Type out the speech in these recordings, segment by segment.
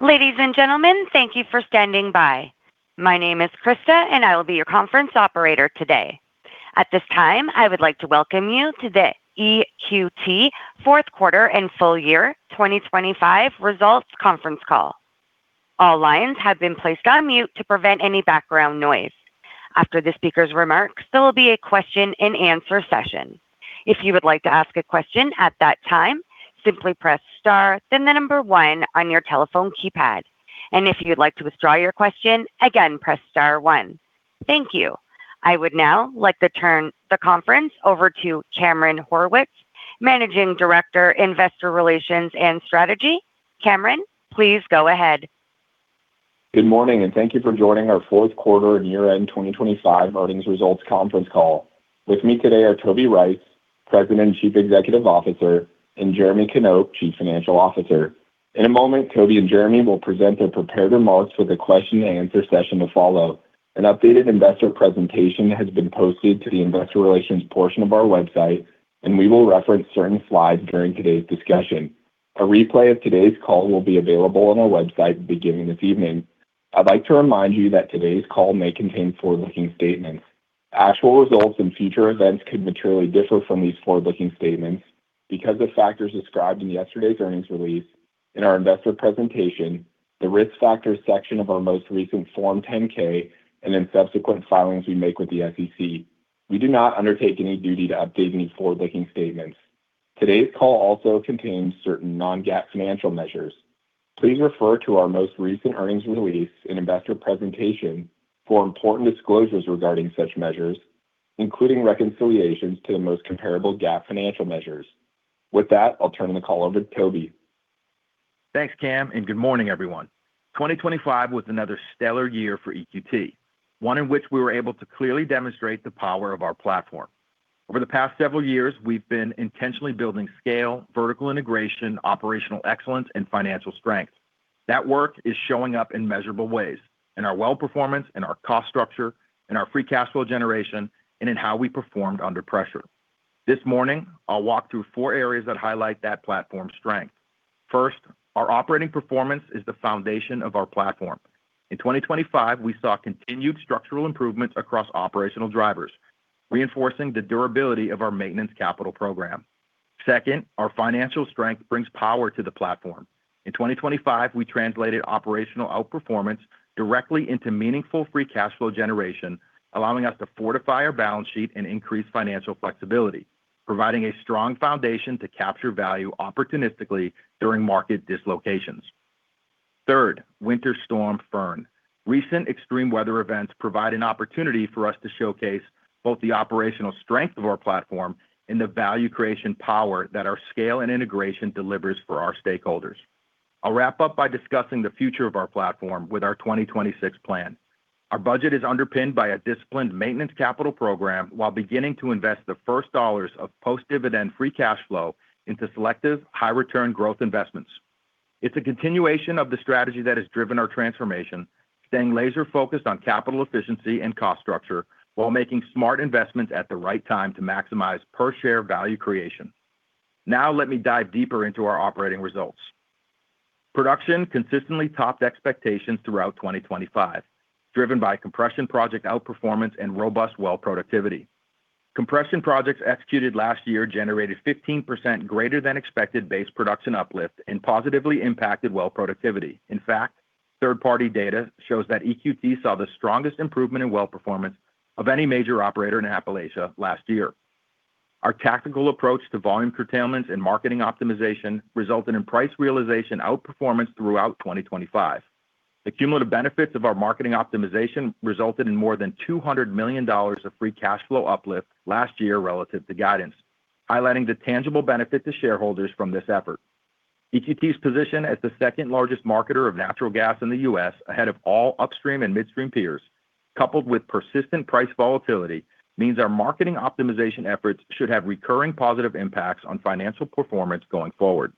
Ladies and gentlemen, thank you for standing by. My name is Krista, and I will be your conference operator today. At this time, I would like to welcome you to the EQT fourth quarter and full year 2025 results conference call. All lines have been placed on mute to prevent any background noise. After the speaker's remarks, there will be a question-and-answer session. If you would like to ask a question at that time, simply press star, then the number one on your telephone keypad. If you'd like to withdraw your question, again, press star one. Thank you. I would now like to turn the conference over to Cameron Horwitz, Managing Director, Investor Relations and Strategy. Cameron, please go ahead. Good morning, and thank you for joining our fourth quarter and year-end 2025 earnings results conference call. With me today are Toby Rice, President and Chief Executive Officer, and Jeremy Knop, Chief Financial Officer. In a moment, Toby and Jeremy will present their prepared remarks for the question-and-answer session to follow. An updated investor presentation has been posted to the investor relations portion of our website, and we will reference certain slides during today's discussion. A replay of today's call will be available on our website beginning this evening. I'd like to remind you that today's call may contain forward-looking statements. Actual results and future events could materially differ from these forward-looking statements because of factors described in yesterday's earnings release, in our investor presentation, the Risk Factors section of our most recent Form 10-K, and in subsequent filings we make with the SEC. We do not undertake any duty to update any forward-looking statements. Today's call also contains certain non-GAAP financial measures. Please refer to our most recent earnings release and investor presentation for important disclosures regarding such measures, including reconciliations to the most comparable GAAP financial measures. With that, I'll turn the call over to Toby. Thanks, Cam, and good morning, everyone. 2025 was another stellar year for EQT, one in which we were able to clearly demonstrate the power of our platform. Over the past several years, we've been intentionally building scale, vertical integration, operational excellence, and financial strength. That work is showing up in measurable ways, in our well performance, in our cost structure, in our free cash flow generation, and in how we performed under pressure. This morning, I'll walk through four areas that highlight that platform strength. First, our operating performance is the foundation of our platform. In 2025, we saw continued structural improvements across operational drivers, reinforcing the durability of our maintenance capital program. Second, our financial strength brings power to the platform. In 2025, we translated operational outperformance directly into meaningful free cash flow generation, allowing us to fortify our balance sheet and increase financial flexibility, providing a strong foundation to capture value opportunistically during market dislocations. Third, Winter Storm Fern. Recent extreme weather events provide an opportunity for us to showcase both the operational strength of our platform and the value-creation power that our scale and integration delivers for our stakeholders. I'll wrap up by discussing the future of our platform with our 2026 plan. Our budget is underpinned by a disciplined maintenance capital program while beginning to invest the first dollars of post-dividend free cash flow into selective, high-return growth investments. It's a continuation of the strategy that has driven our transformation, staying laser-focused on capital efficiency and cost structure while making smart investments at the right time to maximize per-share value creation. Now, let me dive deeper into our operating results. Production consistently topped expectations throughout 2025, driven by compression project outperformance and robust well productivity. Compression projects executed last year generated 15% greater than expected base production uplift and positively impacted well productivity. In fact, third-party data shows that EQT saw the strongest improvement in well performance of any major operator in Appalachia last year. Our tactical approach to volume curtailments and marketing optimization resulted in price realization outperformance throughout 2025. The cumulative benefits of our marketing optimization resulted in more than $200 million of free cash flow uplift last year relative to guidance, highlighting the tangible benefit to shareholders from this effort. EQT's position as the second-largest marketer of natural gas in the U.S., ahead of all upstream and midstream peers, coupled with persistent price volatility, means our marketing optimization efforts should have recurring positive impacts on financial performance going forward.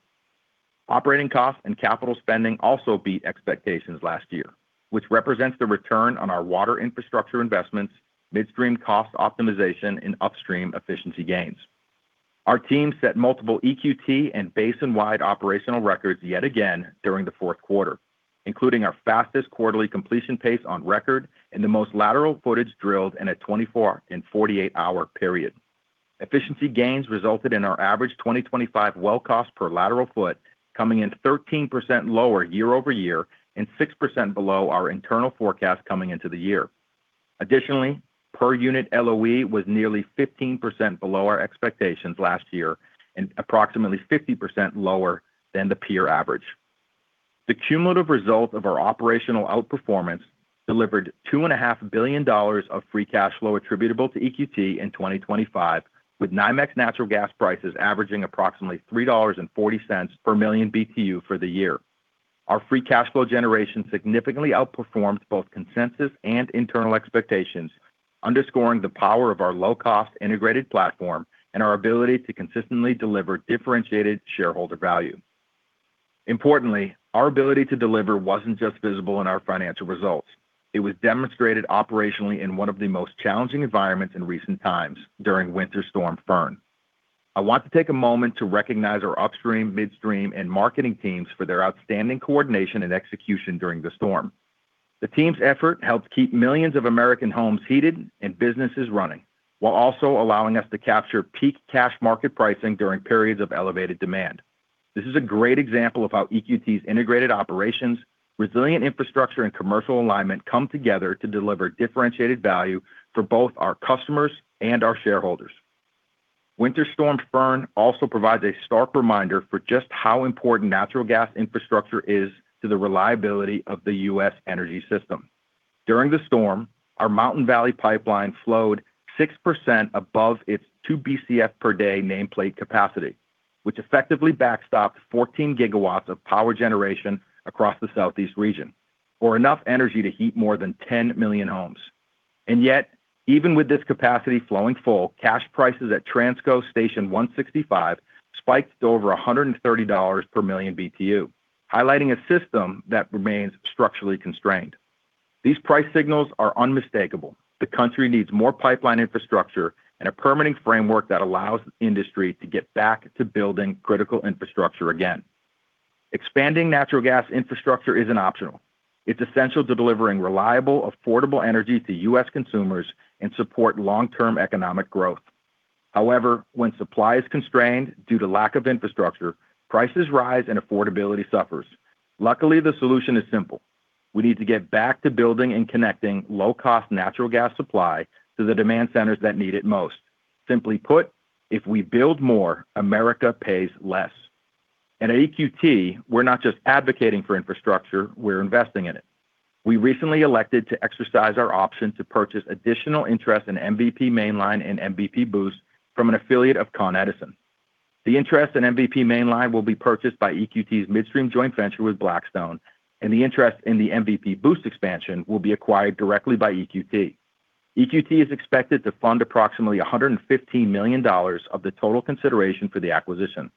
Operating costs and capital spending also beat expectations last year, which represents the return on our water infrastructure investments, midstream cost optimization, and upstream efficiency gains. Our team set multiple EQT and basin-wide operational records yet again during the fourth quarter, including our fastest quarterly completion pace on record and the most lateral footage drilled in a 24- and 48-hour period. Efficiency gains resulted in our average 2025 well cost per lateral foot coming in 13% lower year-over-year and 6% below our internal forecast coming into the year. Additionally, per unit LOE was nearly 15% below our expectations last year and approximately 50% lower than the peer average. The cumulative result of our operational outperformance delivered $2.5 billion of free cash flow attributable to EQT in 2025, with NYMEX natural gas prices averaging approximately $3.40 per million BTU for the year. Our free cash flow generation significantly outperformed both consensus and internal expectations, underscoring the power of our low-cost integrated platform and our ability to consistently deliver differentiated shareholder value. Importantly, our ability to deliver wasn't just visible in our financial results. It was demonstrated operationally in one of the most challenging environments in recent times during Winter Storm Fern. I want to take a moment to recognize our upstream, midstream, and marketing teams for their outstanding coordination and execution during the storm. The team's effort helped keep millions of American homes heated and businesses running, while also allowing us to capture peak cash market pricing during periods of elevated demand. This is a great example of how EQT's integrated operations, resilient infrastructure, and commercial alignment come together to deliver differentiated value for both our customers and our shareholders. Winter Storm Fern also provides a stark reminder for just how important natural gas infrastructure is to the reliability of the U.S. energy system. During the storm, our Mountain Valley Pipeline flowed 6% above its 2 Bcf-per-day nameplate capacity, which effectively backstopped 14 gigawatts of power generation across the Southeast region, or enough energy to heat more than 10 million homes. Yet, even with this capacity flowing full, cash prices at Transco Station 165 spiked to over $130 per MMBtu, highlighting a system that remains structurally constrained. These price signals are unmistakable. The country needs more pipeline infrastructure and a permitting framework that allows the industry to get back to building critical infrastructure again. Expanding natural gas infrastructure isn't optional. It's essential to delivering reliable, affordable energy to U.S. consumers and support long-term economic growth. However, when supply is constrained due to lack of infrastructure, prices rise and affordability suffers. Luckily, the solution is simple: we need to get back to building and connecting low-cost natural gas supply to the demand centers that need it most. Simply put, if we build more, America pays less. At EQT, we're not just advocating for infrastructure, we're investing in it. We recently elected to exercise our option to purchase additional interest in MVP Mainline and MVP Boost from an affiliate of Con Edison. The interest in MVP Mainline will be purchased by EQT's midstream joint venture with Blackstone, and the interest in the MVP Boost expansion will be acquired directly by EQT. EQT is expected to fund approximately $115 million of the total consideration for the acquisition.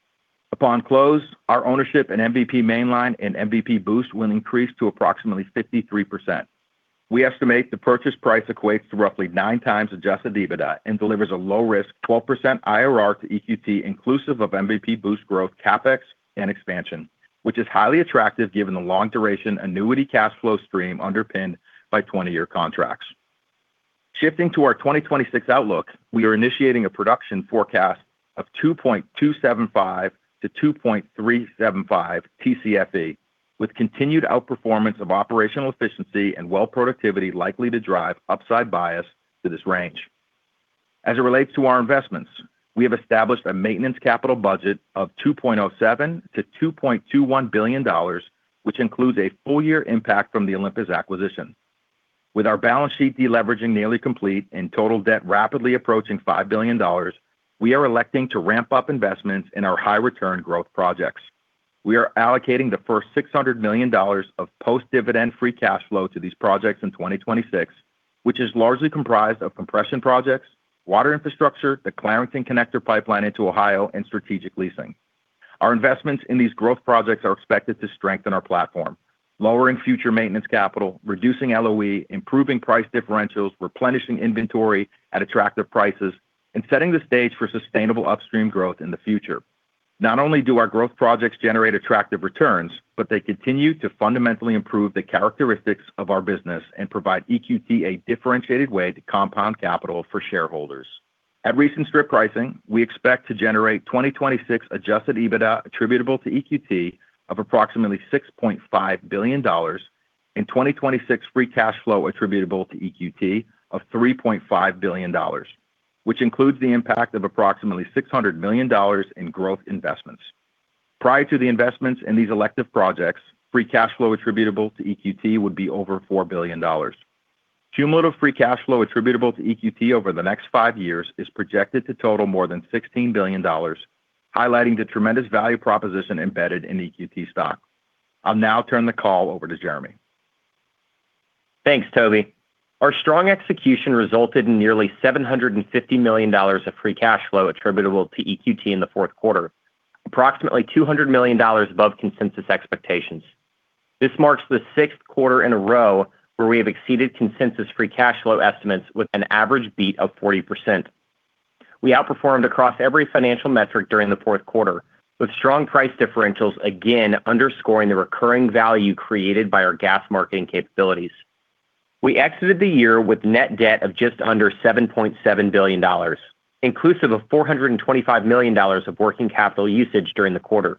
Upon close, our ownership in MVP Mainline and MVP Boost will increase to approximately 53%. We estimate the purchase price equates to roughly 9x Adjusted EBITDA and delivers a low-risk 12% IRR to EQT, inclusive of MVP Boost growth, CapEx, and expansion, which is highly attractive given the long-duration annuity cash flow stream underpinned by 20-year contracts. Shifting to our 2026 outlook, we are initiating a production forecast of 2.275-2.375 TCFE, with continued outperformance of operational efficiency and well productivity likely to drive upside bias to this range. As it relates to our investments, we have established a maintenance capital budget of $2.07 billion-$2.21 billion, which includes a full-year impact from the Olympus acquisition. With our balance sheet deleveraging nearly complete and total debt rapidly approaching $5 billion, we are electing to ramp up investments in our high-return growth projects. We are allocating the first $600 million of post-dividend free cash flow to these projects in 2026, which is largely comprised of compression projects, water infrastructure, the Clarington Connector Pipeline into Ohio, and strategic leasing. Our investments in these growth projects are expected to strengthen our platform, lowering future maintenance capital, reducing LOE, improving price differentials, replenishing inventory at attractive prices, and setting the stage for sustainable upstream growth in the future. Not only do our growth projects generate attractive returns, but they continue to fundamentally improve the characteristics of our business and provide EQT a differentiated way to compound capital for shareholders. At recent strip pricing, we expect to generate 2026 Adjusted EBITDA attributable to EQT of approximately $6.5 billion and 2026 Free Cash Flow attributable to EQT of $3.5 billion, which includes the impact of approximately $600 million in growth investments. Prior to the investments in these elective projects, Free Cash Flow attributable to EQT would be over $4 billion. Cumulative free cash flow attributable to EQT over the next five years is projected to total more than $16 billion, highlighting the tremendous value proposition embedded in EQT stock. I'll now turn the call over to Jeremy. Thanks, Toby. Our strong execution resulted in nearly $750 million of free cash flow attributable to EQT in the fourth quarter, approximately $200 million above consensus expectations. This marks the sixth quarter in a row where we have exceeded consensus free cash flow estimates with an average beat of 40%. We outperformed across every financial metric during the fourth quarter, with strong price differentials again underscoring the recurring value created by our gas marketing capabilities. We exited the year with net debt of just under $7.7 billion, inclusive of $425 million of working capital usage during the quarter.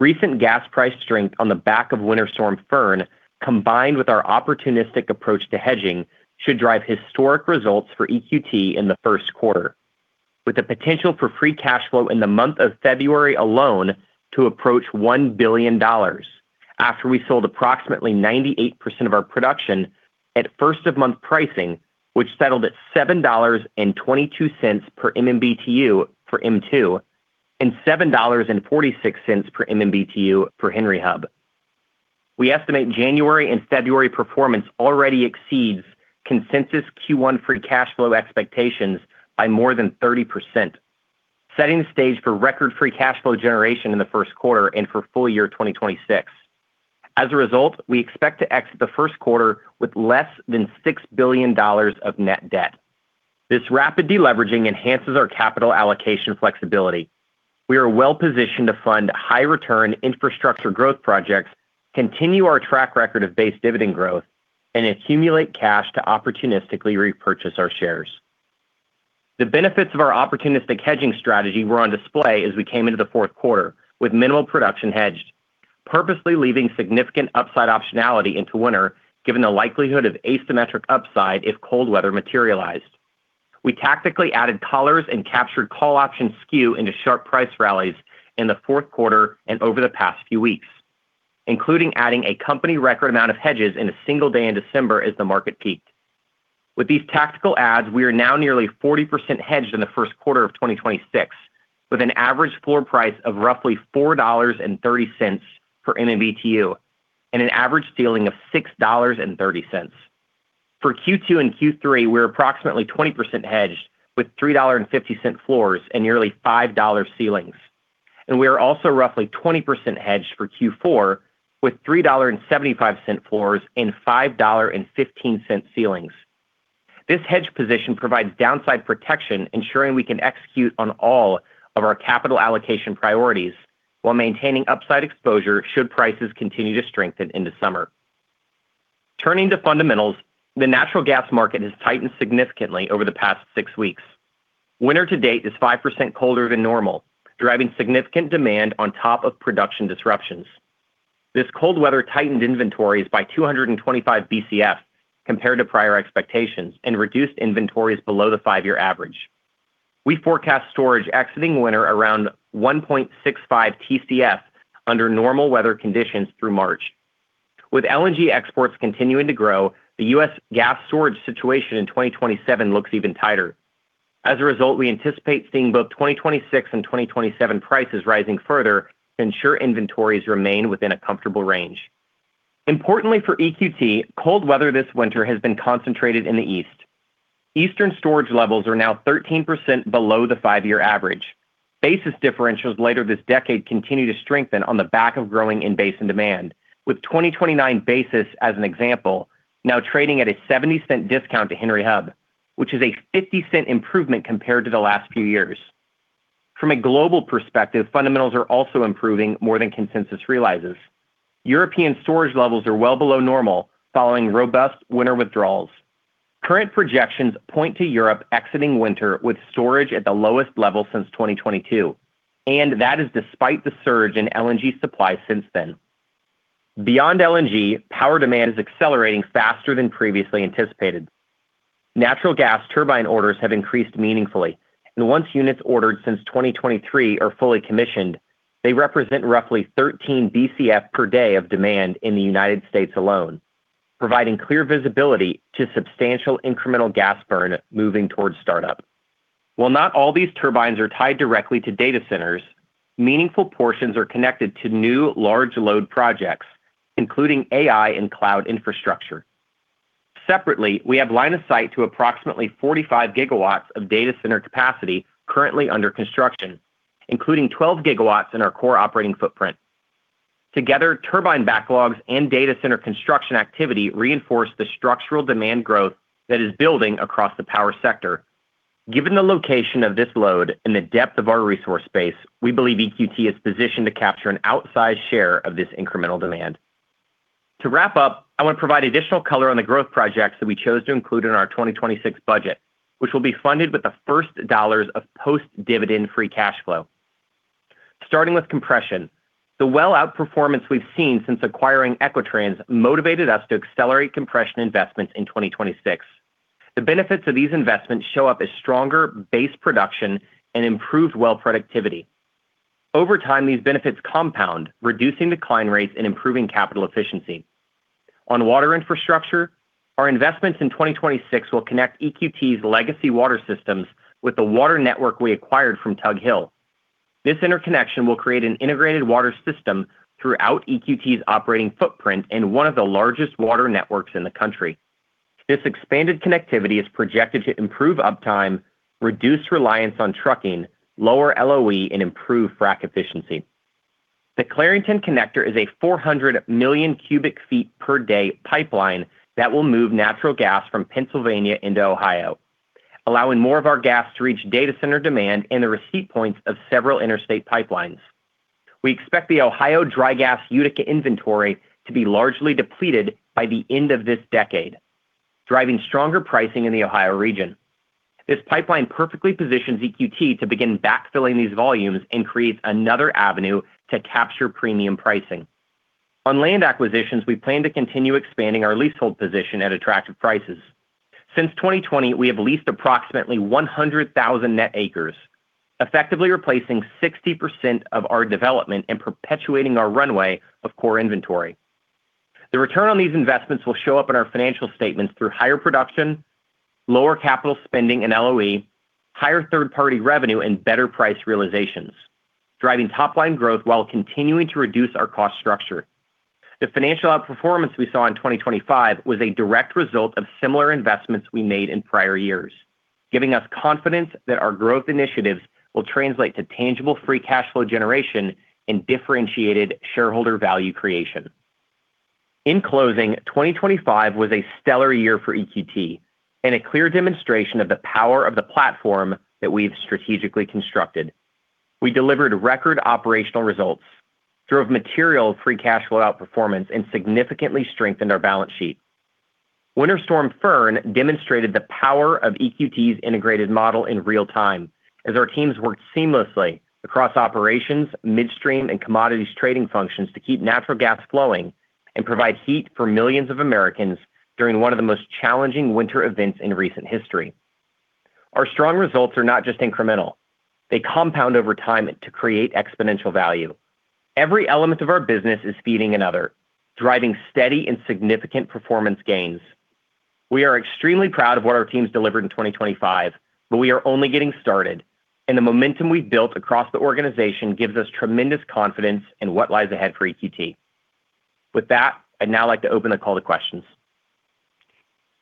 Recent gas price strength on the back of Winter Storm Fern, combined with our opportunistic approach to hedging, should drive historic results for EQT in the first quarter, with the potential for free cash flow in the month of February alone to approach $1 billion after we sold approximately 98% of our production at first of month pricing, which settled at $7.22 per MMBtu for M2 and $7.46 per MMBtu for Henry Hub. We estimate January and February performance already exceeds consensus Q1 free cash flow expectations by more than 30%, setting the stage for record free cash flow generation in the first quarter and for full year 2026. As a result, we expect to exit the first quarter with less than $6 billion of net debt. This rapid de-leveraging enhances our capital allocation flexibility. We are well-positioned to fund high-return infrastructure growth projects, continue our track record of base dividend growth, and accumulate cash to opportunistically repurchase our shares. The benefits of our opportunistic hedging strategy were on display as we came into the fourth quarter, with minimal production hedged, purposely leaving significant upside optionality into winter, given the likelihood of asymmetric upside if cold weather materialized. We tactically added collars and captured call option skew into sharp price rallies in the fourth quarter and over the past few weeks, including adding a company record amount of hedges in a single day in December as the market peaked. With these tactical adds, we are now nearly 40% hedged in the first quarter of 2026, with an average floor price of roughly $4.30 for MMBtu and an average ceiling of $6.30. For Q2 and Q3, we're approximately 20% hedged, with $3.50 floors and nearly $5 ceilings. We are also roughly 20% hedged for Q4, with $3.75 floors and $5.15 ceilings. This hedge position provides downside protection, ensuring we can execute on all of our capital allocation priorities while maintaining upside exposure should prices continue to strengthen into summer. Turning to fundamentals, the natural gas market has tightened significantly over the past 6 weeks. Winter to date is 5% colder than normal, driving significant demand on top of production disruptions. This cold weather tightened inventories by 225 BCF compared to prior expectations, and reduced inventories below the 5-year average. We forecast storage exiting winter around 1.65 TCF under normal weather conditions through March. With LNG exports continuing to grow, the U.S. gas storage situation in 2027 looks even tighter. As a result, we anticipate seeing both 2026 and 2027 prices rising further to ensure inventories remain within a comfortable range. Importantly, for EQT, cold weather this winter has been concentrated in the east. Eastern storage levels are now 13% below the 5-year average. Basis differentials later this decade continue to strengthen on the back of growing in-basin demand, with 2029 basis, as an example, now trading at a $0.70 discount to Henry Hub, which is a $0.50 improvement compared to the last few years. From a global perspective, fundamentals are also improving more than consensus realizes. European storage levels are well below normal, following robust winter withdrawals. Current projections point to Europe exiting winter with storage at the lowest level since 2022, and that is despite the surge in LNG supply since then. Beyond LNG, power demand is accelerating faster than previously anticipated. Natural gas turbine orders have increased meaningfully, and once units ordered since 2023 are fully commissioned, they represent roughly 13 Bcf/d of demand in the United States alone, providing clear visibility to substantial incremental gas burn moving towards startup. While not all these turbines are tied directly to data centers, meaningful portions are connected to new large load projects, including AI and cloud infrastructure. Separately, we have line of sight to approximately 45 GW of data center capacity currently under construction, including 12 GW in our core operating footprint. Together, turbine backlogs and data center construction activity reinforce the structural demand growth that is building across the power sector. Given the location of this load and the depth of our resource base, we believe EQT is positioned to capture an outsized share of this incremental demand. To wrap up, I want to provide additional color on the growth projects that we chose to include in our 2026 budget, which will be funded with the first dollars of post-dividend free cash flow. Starting with compression, the well outperformance we've seen since acquiring Equitrans motivated us to accelerate compression investments in 2026. The benefits of these investments show up as stronger base production and improved well productivity. Over time, these benefits compound, reducing decline rates and improving capital efficiency. On water infrastructure, our investments in 2026 will connect EQT's legacy water systems with the water network we acquired from Tug Hill. This interconnection will create an integrated water system throughout EQT's operating footprint and one of the largest water networks in the country. This expanded connectivity is projected to improve uptime, reduce reliance on trucking, lower LOE, and improve frack efficiency. The Clarington Connector is a 400 million cubic feet per day pipeline that will move natural gas from Pennsylvania into Ohio, allowing more of our gas to reach data center demand and the receipt points of several interstate pipelines. We expect the Ohio Dry Gas Utica inventory to be largely depleted by the end of this decade, driving stronger pricing in the Ohio region. This pipeline perfectly positions EQT to begin backfilling these volumes and create another avenue to capture premium pricing. On land acquisitions, we plan to continue expanding our leasehold position at attractive prices. Since 2020, we have leased approximately 100,000 net acres, effectively replacing 60% of our development and perpetuating our runway of core inventory. The return on these investments will show up in our financial statements through higher production, lower capital spending and LOE, higher third-party revenue, and better price realizations, driving top-line growth while continuing to reduce our cost structure. The financial outperformance we saw in 2025 was a direct result of similar investments we made in prior years... giving us confidence that our growth initiatives will translate to tangible free cash flow generation and differentiated shareholder value creation. In closing, 2025 was a stellar year for EQT and a clear demonstration of the power of the platform that we've strategically constructed. We delivered record operational results, drove material free cash flow outperformance, and significantly strengthened our balance sheet. Winter Storm Fern demonstrated the power of EQT's integrated model in real time, as our teams worked seamlessly across operations, midstream, and commodities trading functions to keep natural gas flowing and provide heat for millions of Americans during one of the most challenging winter events in recent history. Our strong results are not just incremental. They compound over time to create exponential value. Every element of our business is feeding another, driving steady and significant performance gains. We are extremely proud of what our teams delivered in 2025, but we are only getting started, and the momentum we've built across the organization gives us tremendous confidence in what lies ahead for EQT. With that, I'd now like to open the call to questions.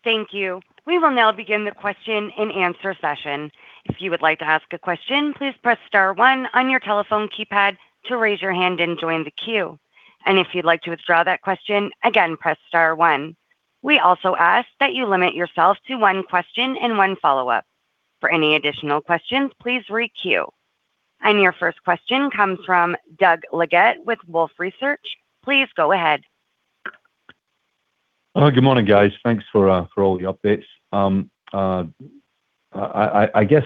Thank you. We will now begin the question-and-answer session. If you would like to ask a question, please press star one on your telephone keypad to raise your hand and join the queue, and if you'd like to withdraw that question, again, press star one. We also ask that you limit yourself to one question and one follow-up. For any additional questions, please re-queue. Your first question comes from Doug Leggate with Wolfe Research. Please go ahead. Good morning, guys. Thanks for all the updates. I guess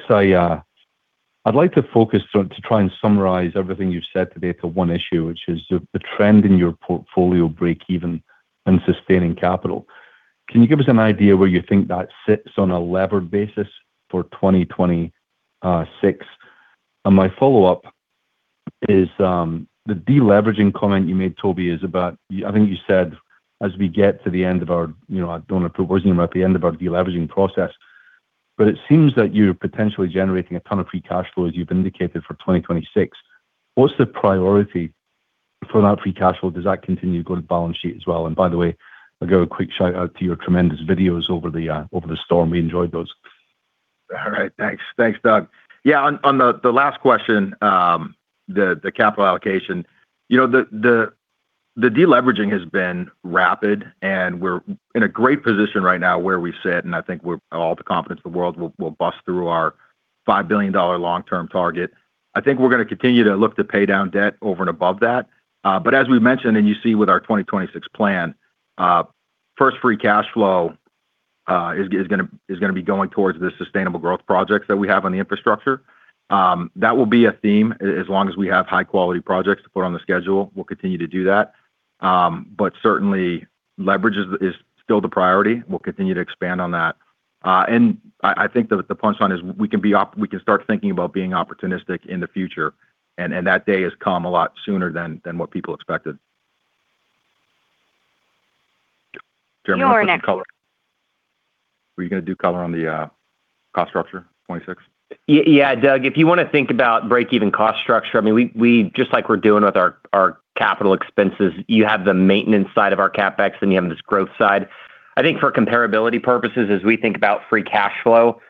I'd like to focus to try and summarize everything you've said today to one issue, which is the trend in your portfolio breakeven and sustaining capital. Can you give us an idea where you think that sits on a levered basis for 2026? My follow-up is, the deleveraging comment you made, Toby, is about—I think you said, as we get to the end of our... you know, I don't want to put words in your mouth, the end of our deleveraging process, but it seems that you're potentially generating a ton of free cash flow, as you've indicated, for 2026. What's the priority for that free cash flow? Does that continue to go to the balance sheet as well? By the way, I'll give a quick shout-out to your tremendous videos over the storm. We enjoyed those. All right. Thanks, Doug. Yeah, on the last question, the capital allocation, you know, the deleveraging has been rapid, and we're in a great position right now where we sit, and I think we're all the confidence in the world we'll bust through our $5 billion long-term target. I think we're gonna continue to look to pay down debt over and above that. But as we've mentioned, and you see with our 2026 plan, first, free cash flow is gonna be going towards the sustainable growth projects that we have on the infrastructure. That will be a theme as long as we have high-quality projects to put on the schedule, we'll continue to do that. But certainly leverage is still the priority. We'll continue to expand on that. and I think the punchline is we can start thinking about being opportunistic in the future, and that day has come a lot sooner than what people expected. Jeremy Were you gonna do color on the cost structure, 26? Yeah, Doug, if you wanna think about breakeven cost structure, I mean, we just like we're doing with our capital expenses, you have the maintenance side of our CapEx, then you have this growth side. I think for comparability purposes, as we think about free cash flow,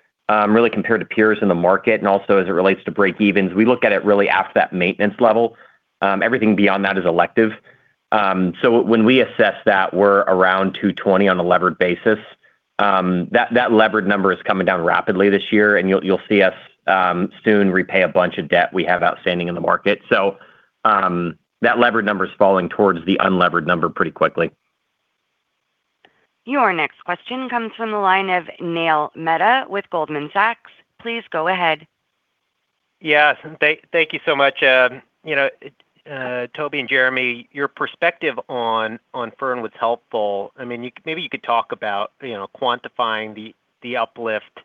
really compared to peers in the market and also as it relates to breakevens, we look at it really at that maintenance level. Everything beyond that is elective. So when we assess that, we're around $2.20 on a levered basis. That levered number is coming down rapidly this year, and you'll see us soon repay a bunch of debt we have outstanding in the market. So that levered number is falling towards the unlevered number pretty quickly. Your next question comes from the line of Neil Mehta with Goldman Sachs. Please go ahead. Yes, thank you so much. You know, Toby and Jeremy, your perspective on Fern was helpful. I mean, you could maybe talk about, you know, quantifying the uplift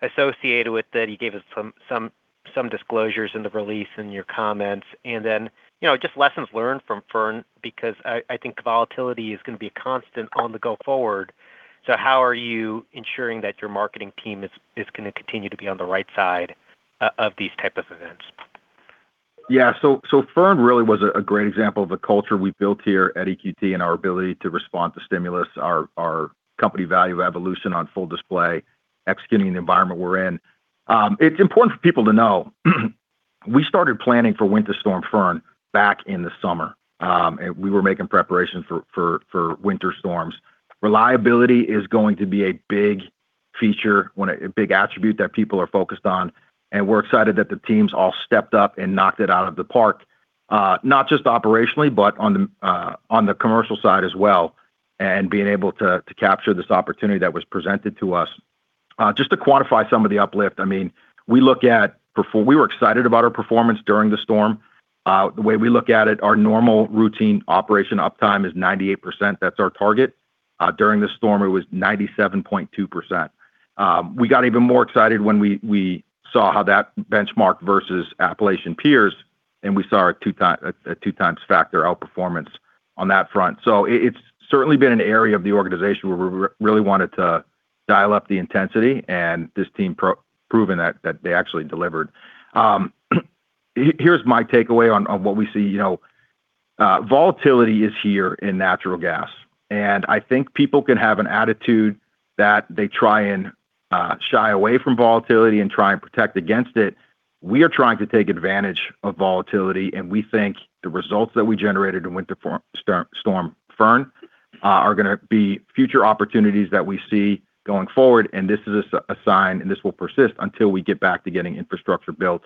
associated with it. You gave us some disclosures in the release and your comments. Then, you know, just lessons learned from Fern, because I think volatility is gonna be a constant on the go forward. So how are you ensuring that your marketing team is gonna continue to be on the right side of these type of events? Yeah, so Fern really was a great example of the culture we've built here at EQT and our ability to respond to stimulus, our company value evolution on full display, executing the environment we're in. It's important for people to know, we started planning for Winter Storm Fern back in the summer. And we were making preparations for winter storms. Reliability is going to be a big feature when a big attribute that people are focused on, and we're excited that the teams all stepped up and knocked it out of the park, not just operationally, but on the commercial side as well, and being able to capture this opportunity that was presented to us. Just to quantify some of the uplift, I mean, we were excited about our performance during the storm. The way we look at it, our normal routine operation uptime is 98%. That's our target. During the storm, it was 97.2%. We got even more excited when we saw how that benchmark versus Appalachian peers, and we saw a two-times factor outperformance on that front. So it's certainly been an area of the organization where we really wanted to dial up the intensity, and this team proven that they actually delivered. Here's my takeaway on what we see, you know... Volatility is here in natural gas, and I think people can have an attitude that they try and shy away from volatility and try and protect against it. We are trying to take advantage of volatility, and we think the results that we generated in Winter Storm Fern are going to be future opportunities that we see going forward, and this is a sign, and this will persist until we get back to getting infrastructure built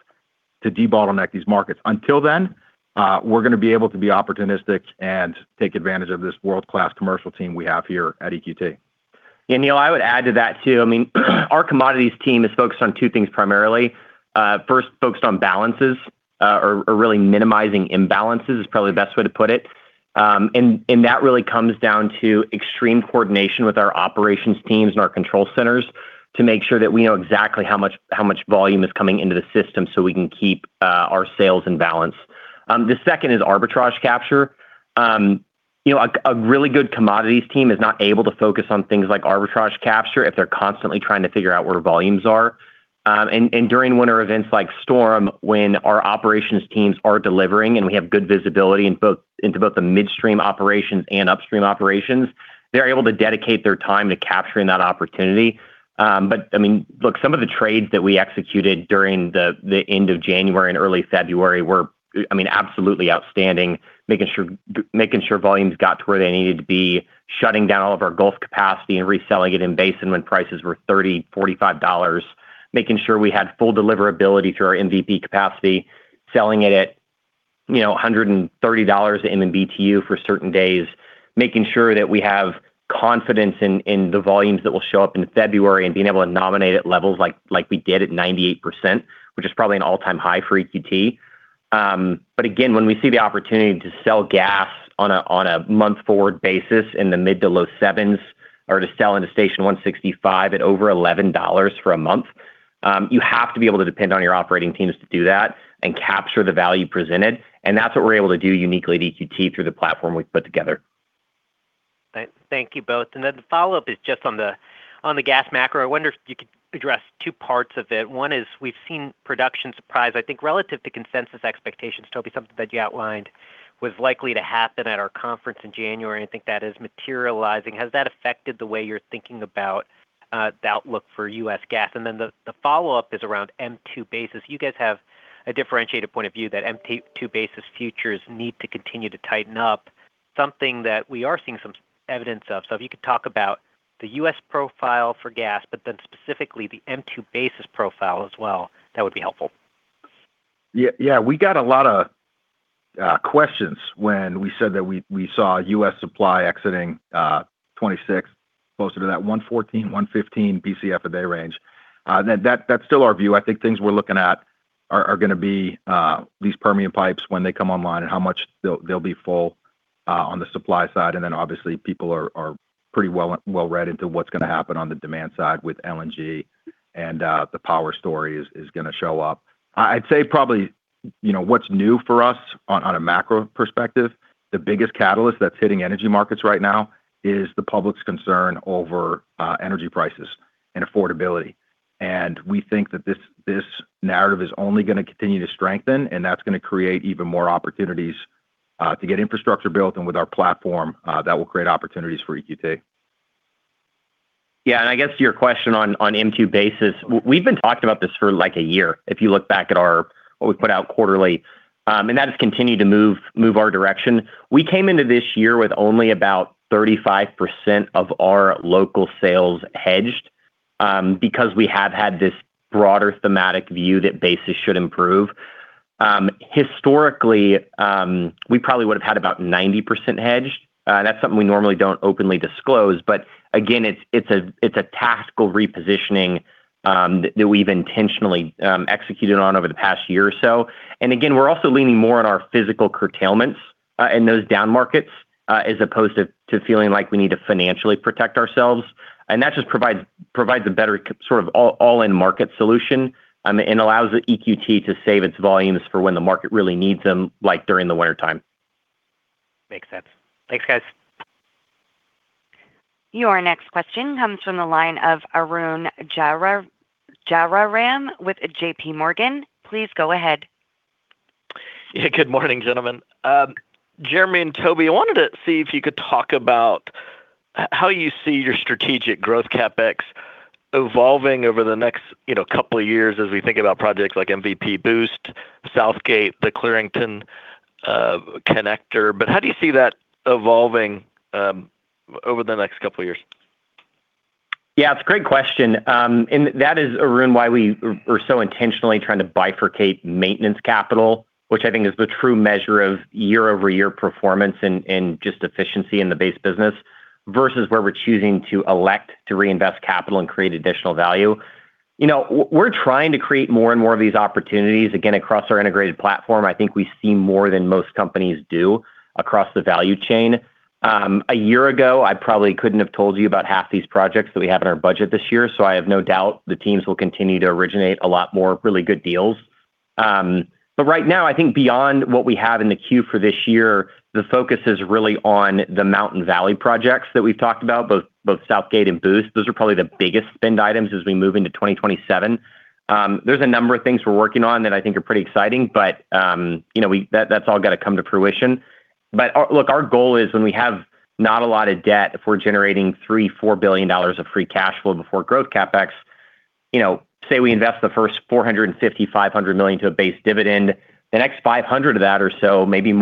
to debottleneck these markets. Until then, we're going to be able to be opportunistic and take advantage of this world-class commercial team we have here at EQT. Yeah, Neil, I would add to that, too. I mean, our commodities team is focused on two things primarily. First, focused on balances, or really minimizing imbalances is probably the best way to put it. And that really comes down to extreme coordination with our operations teams and our control centers to make sure that we know exactly how much volume is coming into the system so we can keep our sales in balance. The second is arbitrage capture. You know, a really good commodities team is not able to focus on things like arbitrage capture if they're constantly trying to figure out where volumes are. And during winter events like storm, when our operations teams are delivering, and we have good visibility into both the midstream operations and upstream operations, they're able to dedicate their time to capturing that opportunity. But, I mean, look, some of the trades that we executed during the end of January and early February were, I mean, absolutely outstanding, making sure volumes got to where they needed to be, shutting down all of our Gulf capacity and reselling it in basin when prices were $30-$45, making sure we had full deliverability through our MVP capacity, selling it at, you know, $130/MMBtu for certain days, making sure that we have confidence in the volumes that will show up in February, and being able to nominate at levels like we did at 98%, which is probably an all-time high for EQT. But again, when we see the opportunity to sell gas on a, on a month-forward basis in the mid- to low-$7s, or to sell into Transco Station 165 at over $11 for a month, you have to be able to depend on your operating teams to do that and capture the value presented, and that's what we're able to do uniquely at EQT through the platform we've put together. Thank you both. Then the follow-up is just on the gas macro. I wonder if you could address two parts of it. One is we've seen production surprise. I think relative to consensus expectations, Toby, something that you outlined was likely to happen at our conference in January, and I think that is materializing. Has that affected the way you're thinking about the outlook for U.S. gas? Then the follow-up is around M2 basis. You guys have a differentiated point of view that M2 basis futures need to continue to tighten up, something that we are seeing some evidence of. If you could talk about the U.S. profile for gas, but then specifically the M2 basis profile as well, that would be helpful. Yeah. We got a lot of questions when we said that we saw U.S. supply exiting 2026, closer to that 114-115 Bcf/d range. That's still our view. I think things we're looking at are gonna be these Permian pipes when they come online and how much they'll be full on the supply side, and then obviously, people are pretty well-read into what's gonna happen on the demand side with LNG and the power story is gonna show up. I'd say probably, you know, what's new for us on a macro perspective, the biggest catalyst that's hitting energy markets right now is the public's concern over energy prices and affordability. We think that this, this narrative is only gonna continue to strengthen, and that's gonna create even more opportunities to get infrastructure built, and with our platform, that will create opportunities for EQT. Yeah, and I guess to your question on, on M2 basis, we've been talking about this for, like, a year. If you look back at our-- what we put out quarterly, and that has continued to move, move our direction. We came into this year with only about 35% of our local sales hedged, because we have had this broader thematic view that basis should improve. Historically, we probably would have had about 90% hedged. That's something we normally don't openly disclose, but again, it's, it's a, it's a tactical repositioning, that we've intentionally executed on over the past year or so. And again, we're also leaning more on our physical curtailments in those down markets as opposed to feeling like we need to financially protect ourselves, and that just provides a better sort of all-in-market solution, and allows the EQT to save its volumes for when the market really needs them, like during the wintertime. Makes sense. Thanks, guys. Your next question comes from the line of Arun Jayaram with JPMorgan. Please go ahead. Yeah, good morning, gentlemen. Jeremy and Toby, I wanted to see if you could talk about how you see your strategic growth CapEx evolving over the next, you know, couple of years as we think about projects like MVP Boost, Southgate, the Clarington Connector. But how do you see that evolving over the next couple of years? Yeah, it's a great question and that is, Arun, why we are so intentionally trying to bifurcate maintenance capital, which I think is the true measure of year-over-year performance and just efficiency in the base business, versus where we're choosing to elect to reinvest capital and create additional value. You know, we're trying to create more and more of these opportunities, again, across our integrated platform. I think we see more than most companies do across the value chain. A year ago, I probably couldn't have told you about half these projects that we have in our budget this year, so I have no doubt the teams will continue to originate a lot more really good deals. But right now, I think beyond what we have in the queue for this year, the focus is really on the Mountain Valley projects that we've talked about, both, both Southgate and Boost. Those are probably the biggest spend items as we move into 2027. There's a number of things we're working on that I think are pretty exciting, but, you know, we, that, that's all got to come to fruition. But look, our goal is when we have not a lot of debt, if we're generating $3-$4 billion of free cash flow before growth CapEx, you know, say we invest the first $450-$500 million to a base dividend, the next $500 of that or so, maybe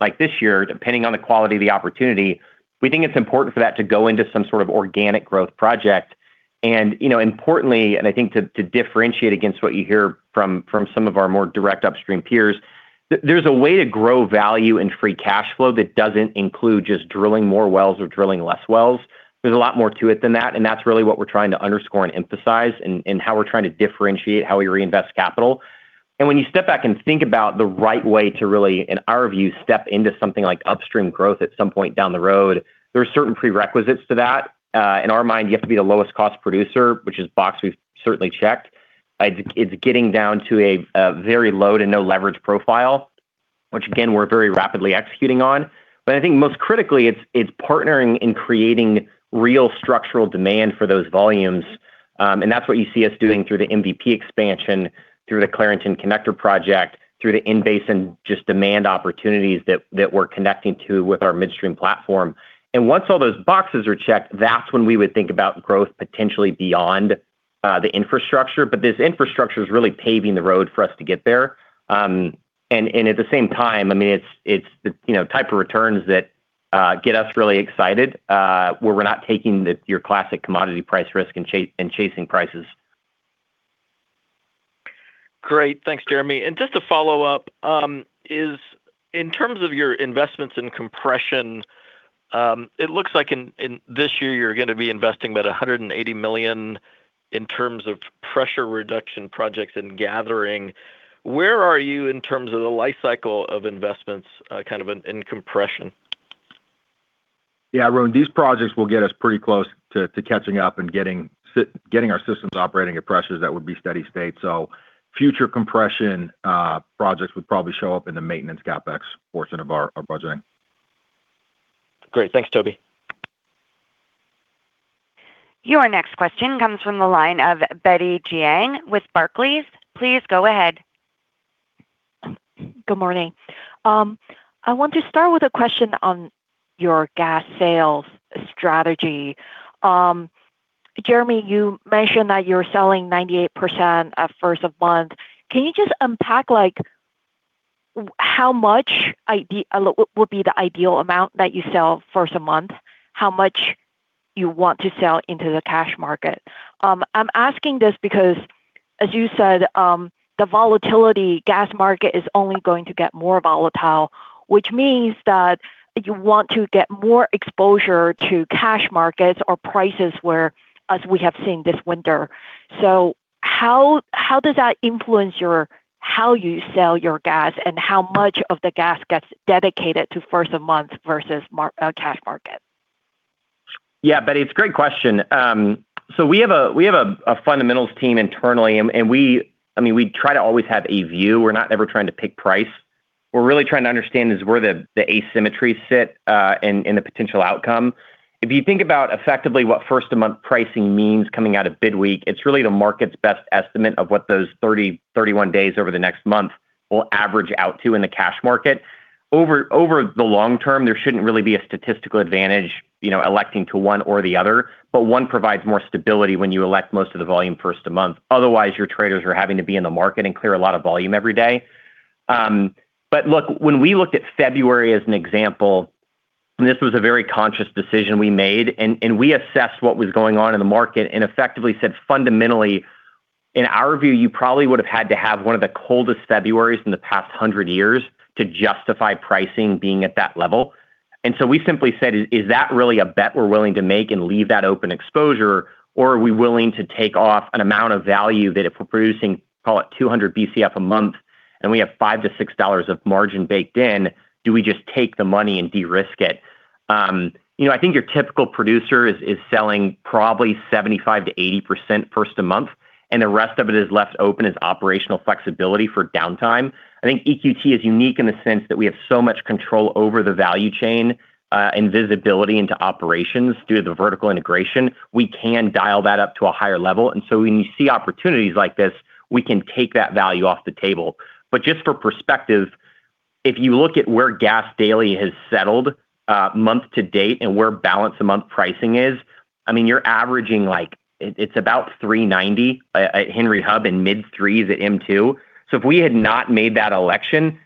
more, like this year, depending on the quality of the opportunity, we think it's important for that to go into some sort of organic growth project. You know, importantly, and I think to differentiate against what you hear from some of our more direct upstream peers, there's a way to grow value in free cash flow that doesn't include just drilling more wells or drilling less wells. There's a lot more to it than that, and that's really what we're trying to underscore and emphasize in how we're trying to differentiate how we reinvest capital. And when you step back and think about the right way to really, in our view, step into something like upstream growth at some point down the road, there are certain prerequisites to that. In our mind, you have to be the lowest cost producer, which is box we've certainly checked. It's getting down to a very low to no leverage profile, which again, we're very rapidly executing on. But I think most critically, it's partnering in creating real structural demand for those volumes, and that's what you see us doing through the MVP expansion, through the Clarington Connector project, through the in-basin, just demand opportunities that we're connecting to with our midstream platform. And once all those boxes are checked, that's when we would think about growth potentially beyond the infrastructure. But this infrastructure is really paving the road for us to get there. And at the same time, I mean, it's the, you know, type of returns that get us really excited, where we're not taking your classic commodity price risk and chasing prices. Great. Thanks, Jeremy. And just to follow up, is in terms of your investments in compression, it looks like in this year, you're gonna be investing about $180 million in terms of pressure reduction projects and gathering. Where are you in terms of the life cycle of investments, kind of in compression? Yeah, Rohan, these projects will get us pretty close to catching up and getting our systems operating at pressures that would be steady state. So future compression projects would probably show up in the maintenance CapEx portion of our budgeting. Great. Thanks, Toby. Your next question comes from the line of Betty Jiang with Barclays. Please go ahead. Good morning. I want to start with a question on your gas sales strategy. Jeremy, you mentioned that you're selling 98% at first of month. Can you just unpack, like, what would be the ideal amount that you sell first of month? How much you want to sell into the cash market? I'm asking this because, as you said, the volatile gas market is only going to get more volatile, which means that you want to get more exposure to cash markets or prices, whereas we have seen this winter. So how does that influence how you sell your gas and how much of the gas gets dedicated to first of month versus cash market? Yeah, Betty, it's a great question. So we have a fundamentals team internally, and we, I mean, we try to always have a view. We're not ever trying to pick price. We're really trying to understand where the asymmetry sit in the potential outcome. If you think about effectively what first-of-the-month pricing means coming out of bid week, it's really the market's best estimate of what those 30, 31 days over the next month will average out to in the cash market. Over the long term, there shouldn't really be a statistical advantage, you know, electing to one or the other, but one provides more stability when you elect most of the volume first of the month. Otherwise, your traders are having to be in the market and clear a lot of volume every day. But look, when we looked at February as an example, and this was a very conscious decision we made, and we assessed what was going on in the market and effectively said, fundamentally, in our view, you probably would have had to have one of the coldest Februaries in the past 100 years to justify pricing being at that level. We simply said, "Is that really a bet we're willing to make and leave that open exposure, or are we willing to take off an amount of value that if we're producing, call it 200 Bcf a month, and we have $5-$6 of margin baked in, do we just take the money and de-risk it?" You know, I think your typical producer is selling probably 75%-80% first-of-month, and the rest of it is left open as operational flexibility for downtime. I think EQT is unique in the sense that we have so much control over the value chain, and visibility into operations due to the vertical integration. We can dial that up to a higher level, and so when you see opportunities like this, we can take that value off the table. But just for perspective, if you look at where gas daily has settled month to date and where bidweek pricing is, I mean, you're averaging, like, it's about $3.90 at Henry Hub and mid-$3s at M2. So if we had not made that election,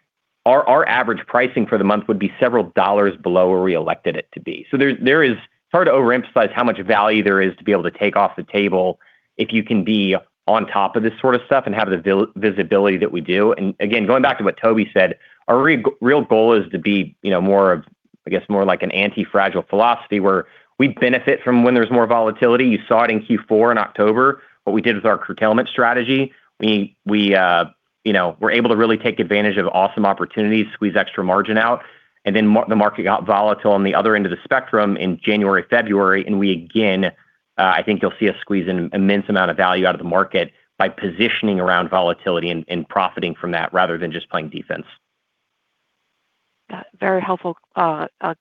our average pricing for the month would be several dollars below where we elected it to be. So there is. It's hard to overemphasize how much value there is to be able to take off the table if you can be on top of this sort of stuff and have the visibility that we do. Again, going back to what Toby said, our real goal is to be, you know, more of, I guess, more like an antifragile philosophy, where we benefit from when there's more volatility. You saw it in Q4 in October, what we did with our curtailment strategy. We, you know, we're able to really take advantage of awesome opportunities, squeeze extra margin out, and then the market got volatile on the other end of the spectrum in January, February, and we again, I think you'll see us squeeze an immense amount of value out of the market by positioning around volatility and profiting from that rather than just playing defense. Got it. Very helpful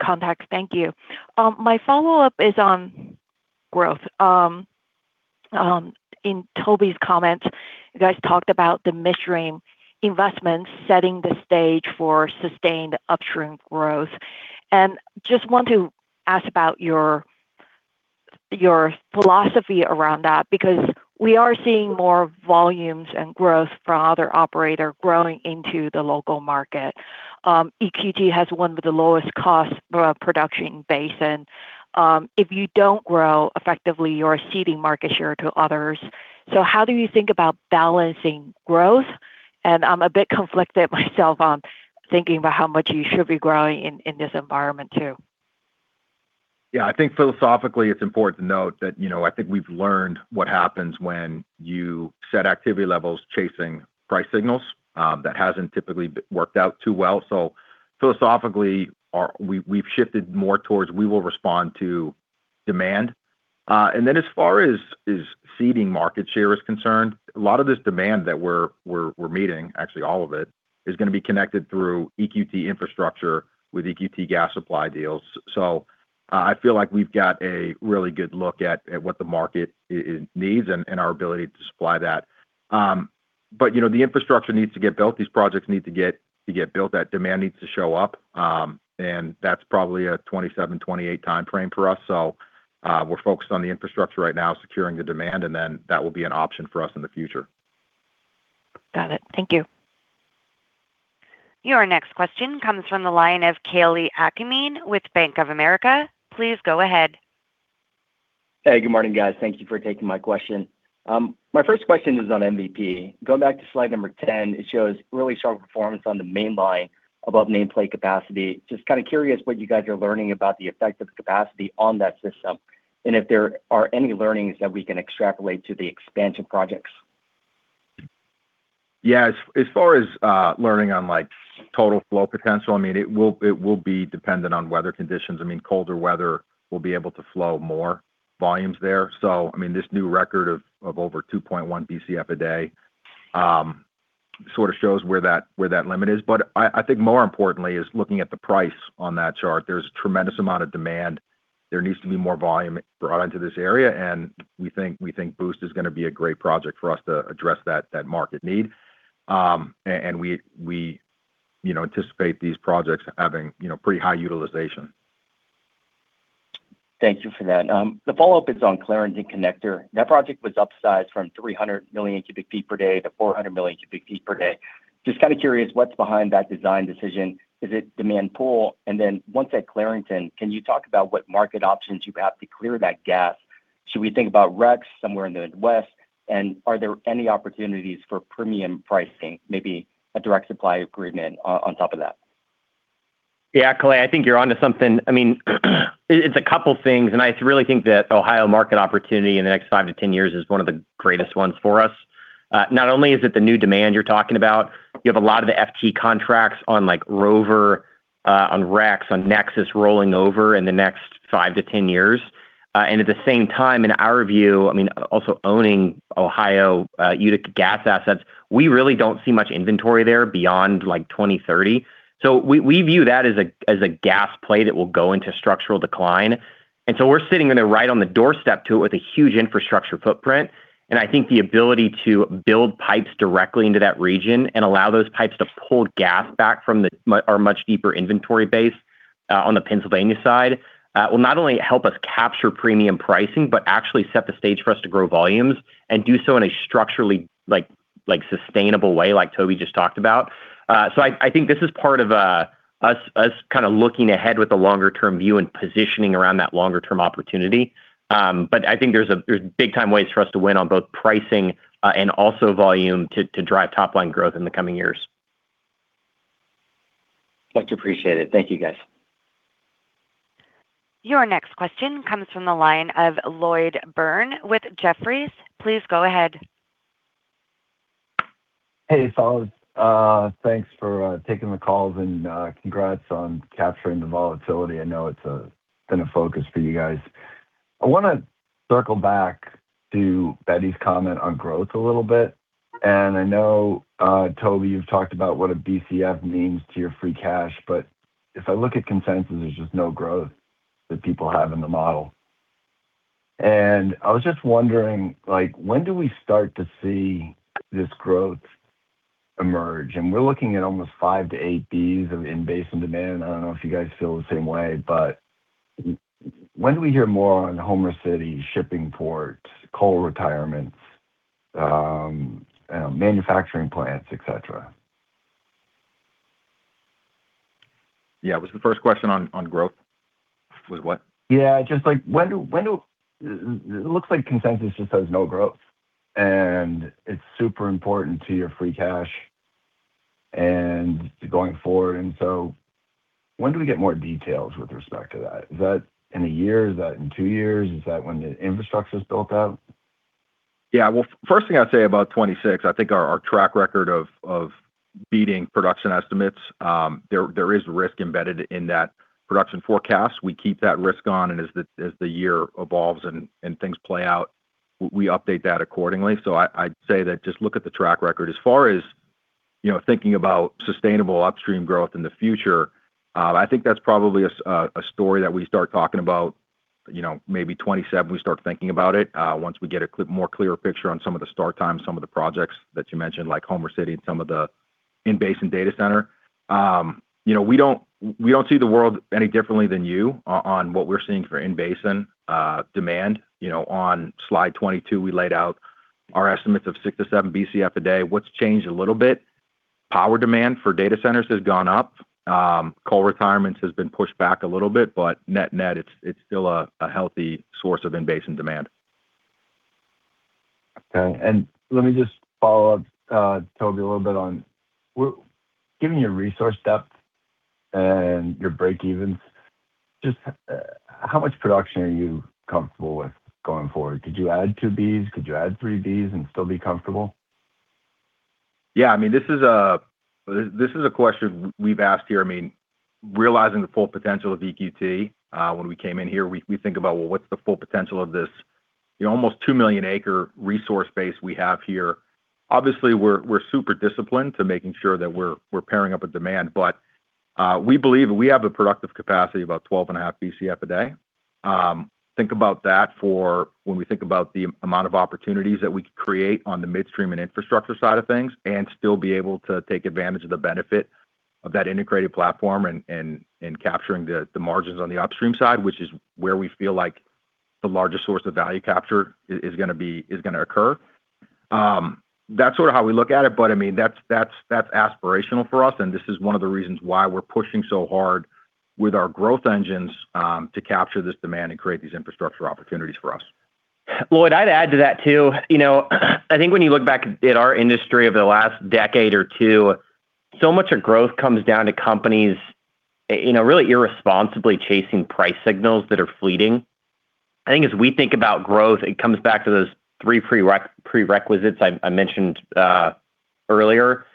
context. Thank you. My follow-up is on growth. In Toby's comments, you guys talked about the midstream investments setting the stage for sustained upstream growth. And just want to ask about your philosophy around that, because we are seeing more volumes and growth from other operator growing into the local market. EQT has one of the lowest cost production basin. If you don't grow effectively, you're ceding market share to others. So how do you think about balancing growth? And I'm a bit conflicted myself on thinking about how much you should be growing in this environment, too. Yeah, I think philosophically, it's important to note that, you know, I think we've learned what happens when you set activity levels chasing price signals. That hasn't typically worked out too well. So philosophically, we've shifted more towards we will respond to demand. And then as far as ceding market share is concerned, a lot of this demand that we're meeting, actually all of it, is gonna be connected through EQT infrastructure with EQT gas supply deals. So I feel like we've got a really good look at what the market it needs and our ability to supply that. But, you know, the infrastructure needs to get built. These projects need to get built. That demand needs to show up. And that's probably a 2027-2028 time frame for us. We're focused on the infrastructure right now, securing the demand, and then that will be an option for us in the future. Got it. Thank you. Your next question comes from the line of Kalei Akamine with Bank of America. Please go ahead. Hey, good morning, guys. Thank you for taking my question. My first question is on MVP. Going back to slide number 10, it shows really strong performance on the mainline above nameplate capacity. Just kind of curious what you guys are learning about the effect of capacity on that system, and if there are any learnings that we can extrapolate to the expansion projects? Yeah, as far as learning on, like, total flow potential, I mean, it will be dependent on weather conditions. I mean, colder weather will be able to flow more volumes there. So I mean, this new record of over 2.1 Bcf/d sort of shows where that limit is. But I think more importantly is looking at the price on that chart. There's a tremendous amount of demand. There needs to be more volume brought into this area, and we think Boost is gonna be a great project for us to address that market need. And we, you know, anticipate these projects having, you know, pretty high utilization. Thank you for that. The follow-up is on Clarington Connector. That project was upsized from 300 million cubic feet per day to 400 million cubic feet per day. Just kind of curious, what's behind that design decision? Is it demand pool? And then once at Clarington, can you talk about what market options you have to clear that gap? Should we think about REX somewhere in the Midwest, and are there any opportunities for premium pricing, maybe a direct supply agreement or on top of that? Yeah, Kalei, I think you're onto something. I mean, it's a couple things, and I really think that Ohio market opportunity in the next 5-10 years is one of the greatest ones for us. Not only is it the new demand you're talking about, you have a lot of the FT contracts on, like, Rover, on REX, on Nexus rolling over in the next 5-10 years. And at the same time, in our view, I mean, also owning Ohio Utica gas assets, we really don't see much inventory there beyond, like, 2030. So we view that as a gas play that will go into structural decline. And so we're sitting right on the doorstep to it with a huge infrastructure footprint. I think the ability to build pipes directly into that region and allow those pipes to pull gas back from our much deeper inventory base on the Pennsylvania side will not only help us capture premium pricing, but actually set the stage for us to grow volumes and do so in a structurally, like, sustainable way, like Toby just talked about. So I think this is part of us kind of looking ahead with a longer-term view and positioning around that longer-term opportunity. But I think there's big-time ways for us to win on both pricing and also volume to drive top-line growth in the coming years. Much appreciated. Thank you, guys. Your next question comes from the line of Lloyd Byrne with Jefferies. Please go ahead. Hey, fellas, thanks for taking the calls and congrats on capturing the volatility. I know it's been a focus for you guys. I wanna circle back to Betty's comment on growth a little bit. And I know, Toby, you've talked about what a BCF means to your free cash, but if I look at consensus, there's just no growth that people have in the model. And I was just wondering, like, when do we start to see this growth emerge? And we're looking at almost 5-8 Bs of in-basin demand. I don't know if you guys feel the same way, but when do we hear more on Homer City shipping ports, coal retirements, manufacturing plants, et cetera? Yeah. Was the first question on, on growth? Was what? Yeah, just like, when does it look like consensus just says no growth, and it's super important to your free cash and going forward. And so when do we get more details with respect to that? Is that in a year? Is that in two years? Is that when the infrastructure is built out? Yeah. Well, first thing I'd say about 2026, I think our track record of beating production estimates, there is risk embedded in that production forecast. We keep that risk on, and as the year evolves and things play out, we update that accordingly. So I'd say that. Just look at the track record. As far as you know, thinking about sustainable upstream growth in the future, I think that's probably a story that we start talking about, you know, maybe 2027, we start thinking about it, once we get a more clearer picture on some of the start times, some of the projects that you mentioned, like Homer City and some of the in-basin data center. You know, we don't see the world any differently than you on what we're seeing for in-basin demand. You know, on slide 22, we laid out our estimates of 6-7 Bcf a day. What's changed a little bit? Power demand for data centers has gone up. Coal retirements has been pushed back a little bit, but net-net, it's still a healthy source of in-basin demand. Okay. And let me just follow up, Toby, a little bit on given your resource depth and your break-evens, just, how much production are you comfortable with going forward? Could you add 2 Bs? Could you add 3 Bs and still be comfortable? Yeah, I mean, this is a question we've asked here. I mean, realizing the full potential of EQT, when we came in here, we think about, well, what's the full potential of this, the almost 2 million acres resource base we have here? Obviously, we're super disciplined to making sure that we're pairing up with demand, but we believe we have a productive capacity of about 12.5 Bcf/d. Think about that for when we think about the amount of opportunities that we could create on the midstream and infrastructure side of things and still be able to take advantage of the benefit of that integrated platform and capturing the margins on the upstream side, which is where we feel like the largest source of value capture is gonna occur. That's sort of how we look at it, but I mean, that's aspirational for us, and this is one of the reasons why we're pushing so hard with our growth engines to capture this demand and create these infrastructure opportunities for us. Lloyd, I'd add to that, too. You know, I think when you look back at our industry over the last decade or two, so much of growth comes down to companies, you know, really irresponsibly chasing price signals that are fleeting. I think as we think about growth, it comes back to those three prerequisites I mentioned earlier.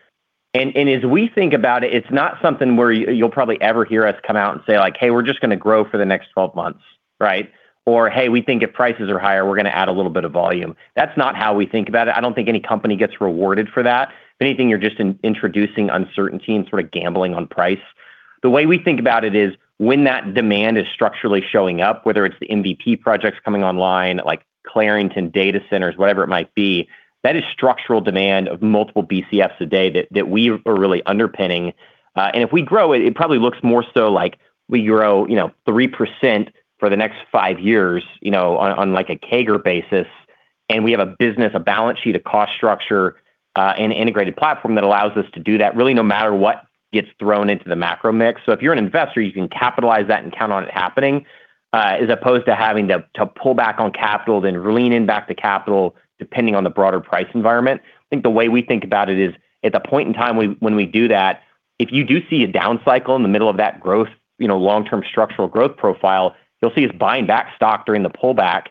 And as we think about it, it's not something where you'll probably ever hear us come out and say, like, "Hey, we're just gonna grow for the next 12 months," right? Or, "Hey, we think if prices are higher, we're gonna add a little bit of volume." That's not how we think about it. I don't think any company gets rewarded for that. If anything, you're just introducing uncertainty and sort of gambling on price. The way we think about it is, when that demand is structurally showing up, whether it's the MVP projects coming online, like Clarington Data Centers, whatever it might be, that is structural demand of multiple Bcf's a day that we are really underpinning. And if we grow it, it probably looks more so like we grow, you know, 3% for the next five years, you know, on, like, a CAGR basis. And we have a business, a balance sheet, a cost structure, and integrated platform that allows us to do that, really no matter what gets thrown into the macro mix. So if you're an investor, you can capitalize that and count on it happening, as opposed to having to pull back on capital, then lean in back to capital, depending on the broader price environment. I think the way we think about it is, at the point in time when we do that, if you do see a down cycle in the middle of that growth, you know, long-term structural growth profile, you'll see us buying back stock during the pullback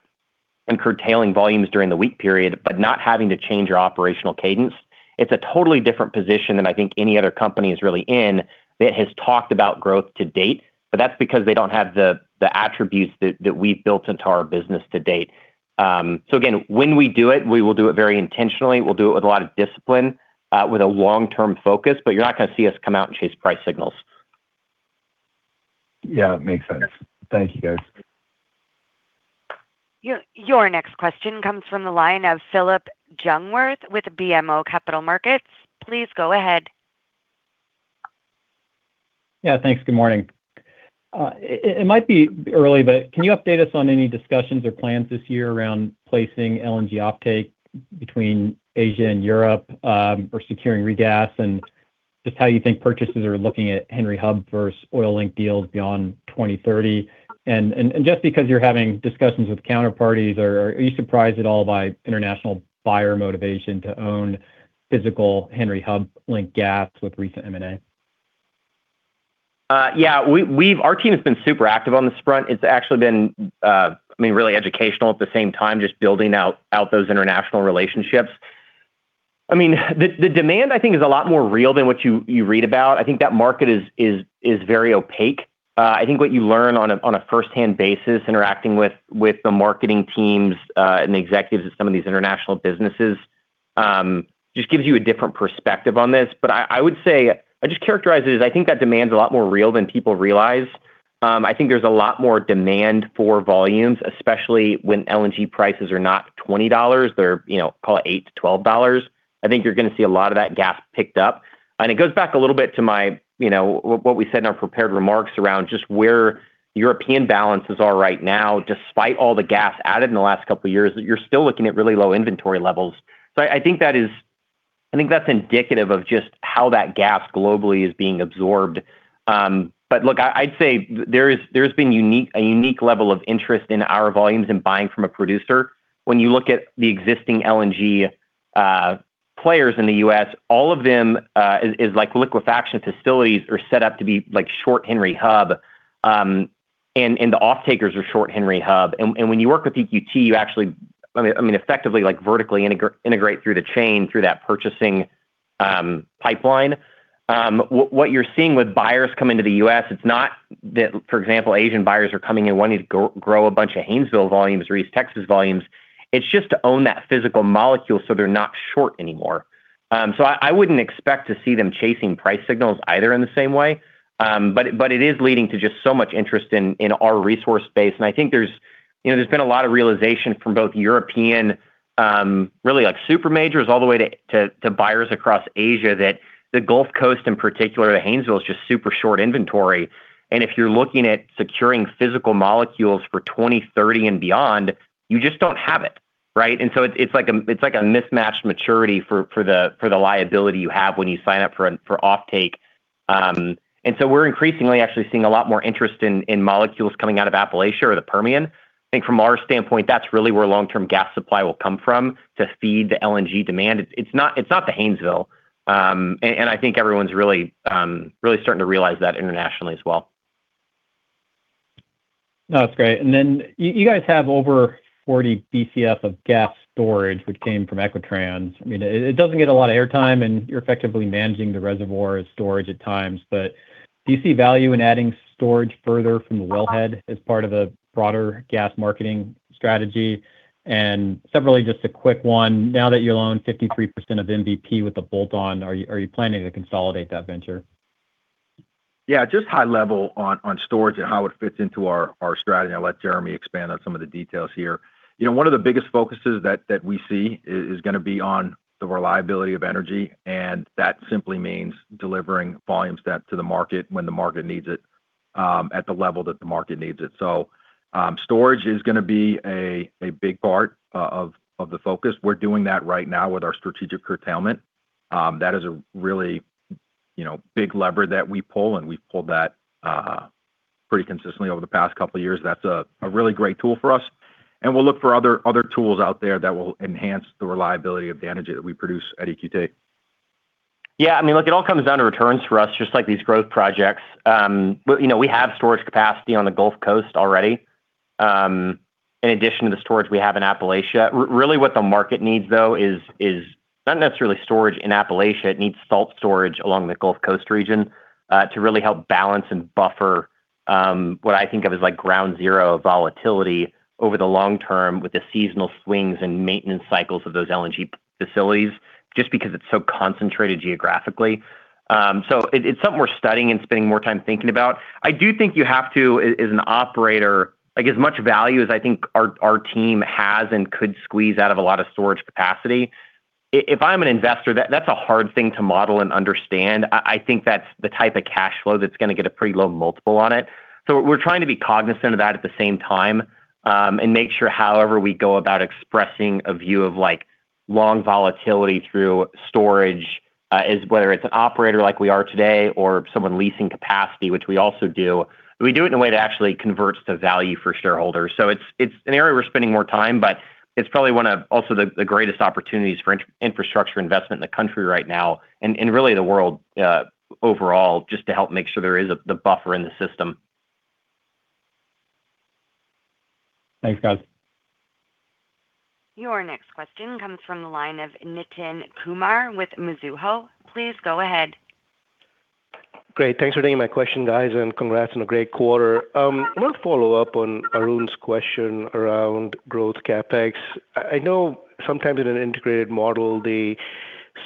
and curtailing volumes during the weak period, but not having to change our operational cadence. It's a totally different position than I think any other company is really in that has talked about growth to date, but that's because they don't have the attributes that we've built into our business to date. So again, when we do it, we will do it very intentionally. We'll do it with a lot of discipline, with a long-term focus, but you're not gonna see us come out and chase price signals. Yeah, makes sense. Thank you, guys. Your next question comes from the line of Phillip Jungwirth with BMO Capital Markets. Please go ahead. Yeah, thanks. Good morning. It might be early, but can you update us on any discussions or plans this year around placing LNG offtake between Asia and Europe, or securing regas? And just how you think purchasers are looking at Henry Hub versus oil-linked deals beyond 2030. And just because you're having discussions with counterparties, are you surprised at all by international buyer motivation to own physical Henry Hub-linked gas with recent M&A? Yeah, we've—our team has been super active on this front. It's actually been, I mean, really educational at the same time, just building out those international relationships. I mean, the demand, I think, is a lot more real than what you read about. I think that market is very opaque. I think what you learn on a firsthand basis, interacting with the marketing teams and the executives of some of these international businesses, just gives you a different perspective on this. But I would say... I just characterize it as, I think, that demand's a lot more real than people realize. I think there's a lot more demand for volumes, especially when LNG prices are not $20. They're, you know, call it $8-$12. I think you're gonna see a lot of that gas picked up. It goes back a little bit to my, you know, what we said in our prepared remarks around just where European balances are right now. Despite all the gas added in the last couple of years, you're still looking at really low inventory levels. So I think that's indicative of just how that gas globally is being absorbed. But look, I'd say there's been a unique level of interest in our volumes in buying from a producer. When you look at the existing LNG players in the U.S., all of them is like, liquefaction facilities are set up to be, like, short Henry Hub, and the off-takers are short Henry Hub. And when you work with EQT, you actually, I mean, effectively, like, vertically integrate through the chain, through that purchasing pipeline. What you're seeing with buyers coming to the U.S., it's not that, for example, Asian buyers are coming in wanting to grow a bunch of Haynesville volumes or East Texas volumes. It's just to own that physical molecule, so they're not short anymore. So I wouldn't expect to see them chasing price signals either in the same way. But it is leading to just so much interest in our resource base. I think there's, you know, there's been a lot of realization from both European really, like, super majors all the way to buyers across Asia, that the Gulf Coast in particular, the Haynesville, is just super short inventory. And if you're looking at securing physical molecules for 2030 and beyond, you just don't have it, right? And so it's like a mismatched maturity for the liability you have when you sign up for offtake. And so we're increasingly actually seeing a lot more interest in molecules coming out of Appalachia or the Permian. I think from our standpoint, that's really where long-term gas supply will come from to feed the LNG demand. It's not the Haynesville. I think everyone's really starting to realize that internationally as well. No, that's great. And then you, you guys have over 40 Bcf of gas storage, which came from Equitrans. I mean, it, it doesn't get a lot of airtime, and you're effectively managing the reservoir as storage at times, but do you see value in adding storage further from the wellhead as part of a broader gas marketing strategy? And separately, just a quick one: now that you own 53% of MVP with the bolt-on, are you, are you planning to consolidate that venture? Yeah, just high level on storage and how it fits into our strategy, and I'll let Jeremy expand on some of the details here. You know, one of the biggest focuses that we see is gonna be on the reliability of energy, and that simply means delivering volumes that to the market when the market needs it, at the level that the market needs it. So, storage is gonna be a big part of the focus. We're doing that right now with our strategic curtailment. That is a really, you know, big lever that we pull, and we've pulled that pretty consistently over the past couple of years. That's a really great tool for us, and we'll look for other tools out there that will enhance the reliability of the energy that we produce at EQT. Yeah, I mean, look, it all comes down to returns for us, just like these growth projects. But, you know, we have storage capacity on the Gulf Coast already, in addition to the storage we have in Appalachia. Really what the market needs, though, is not necessarily storage in Appalachia. It needs salt storage along the Gulf Coast region to really help balance and buffer what I think of as, like, ground zero of volatility over the long term with the seasonal swings and maintenance cycles of those LNG facilities, just because it's so concentrated geographically. So it, it's something we're studying and spending more time thinking about. I do think you have to, as an operator... Like, as much value as I think our team has and could squeeze out of a lot of storage capacity, if I'm an investor, that's a hard thing to model and understand. I think that's the type of cash flow that's gonna get a pretty low multiple on it. So we're trying to be cognizant of that at the same time, and make sure however we go about expressing a view of, like, long volatility through storage, is whether it's an operator like we are today or someone leasing capacity, which we also do. We do it in a way that actually converts to value for shareholders. So it's an area we're spending more time, but it's probably one of also the greatest opportunities for infrastructure investment in the country right now and really the world overall, just to help make sure there is the buffer in the system. Thanks, guys. Your next question comes from the line of Nitin Kumar with Mizuho. Please go ahead. Great. Thanks for taking my question, guys, and congrats on a great quarter. I want to follow up on Arun's question around growth CapEx. I know sometimes in an integrated model, the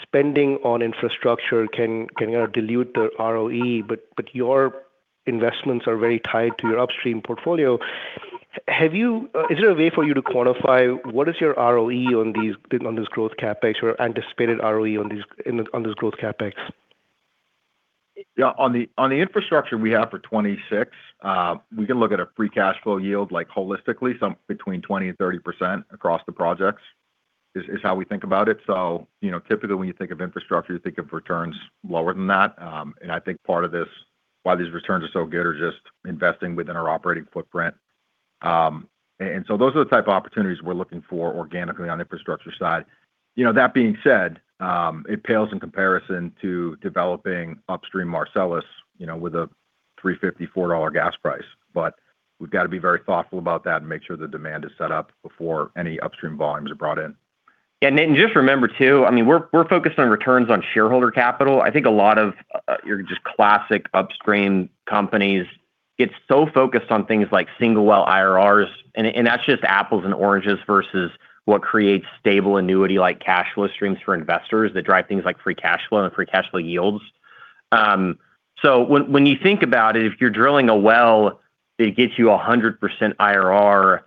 spending on infrastructure can kinda dilute the ROE, but your investments are very tied to your upstream portfolio. Is there a way for you to quantify what is your ROE on this growth CapEx or anticipated ROE on this growth CapEx? Yeah, on the infrastructure we have for 2026, we can look at a free cash flow yield like holistically, some between 20%-30% across the projects, is how we think about it. So, you know, typically, when you think of infrastructure, you think of returns lower than that. I think part of this, why these returns are so good, are just investing within our operating footprint. And so those are the type of opportunities we're looking for organically on infrastructure side. You know, that being said, it pales in comparison to developing upstream Marcellus, you know, with a $3.50-$4 gas price. But we've got to be very thoughtful about that and make sure the demand is set up before any upstream volumes are brought in. And then just remember too, I mean, we're focused on returns on shareholder capital. I think a lot of your just classic upstream companies, it's so focused on things like single well IRRs, and that's just apples and oranges versus what creates stable annuity-like cash flow streams for investors that drive things like free cash flow and free cash flow yields. So when you think about it, if you're drilling a well, it gets you a 100% IRR,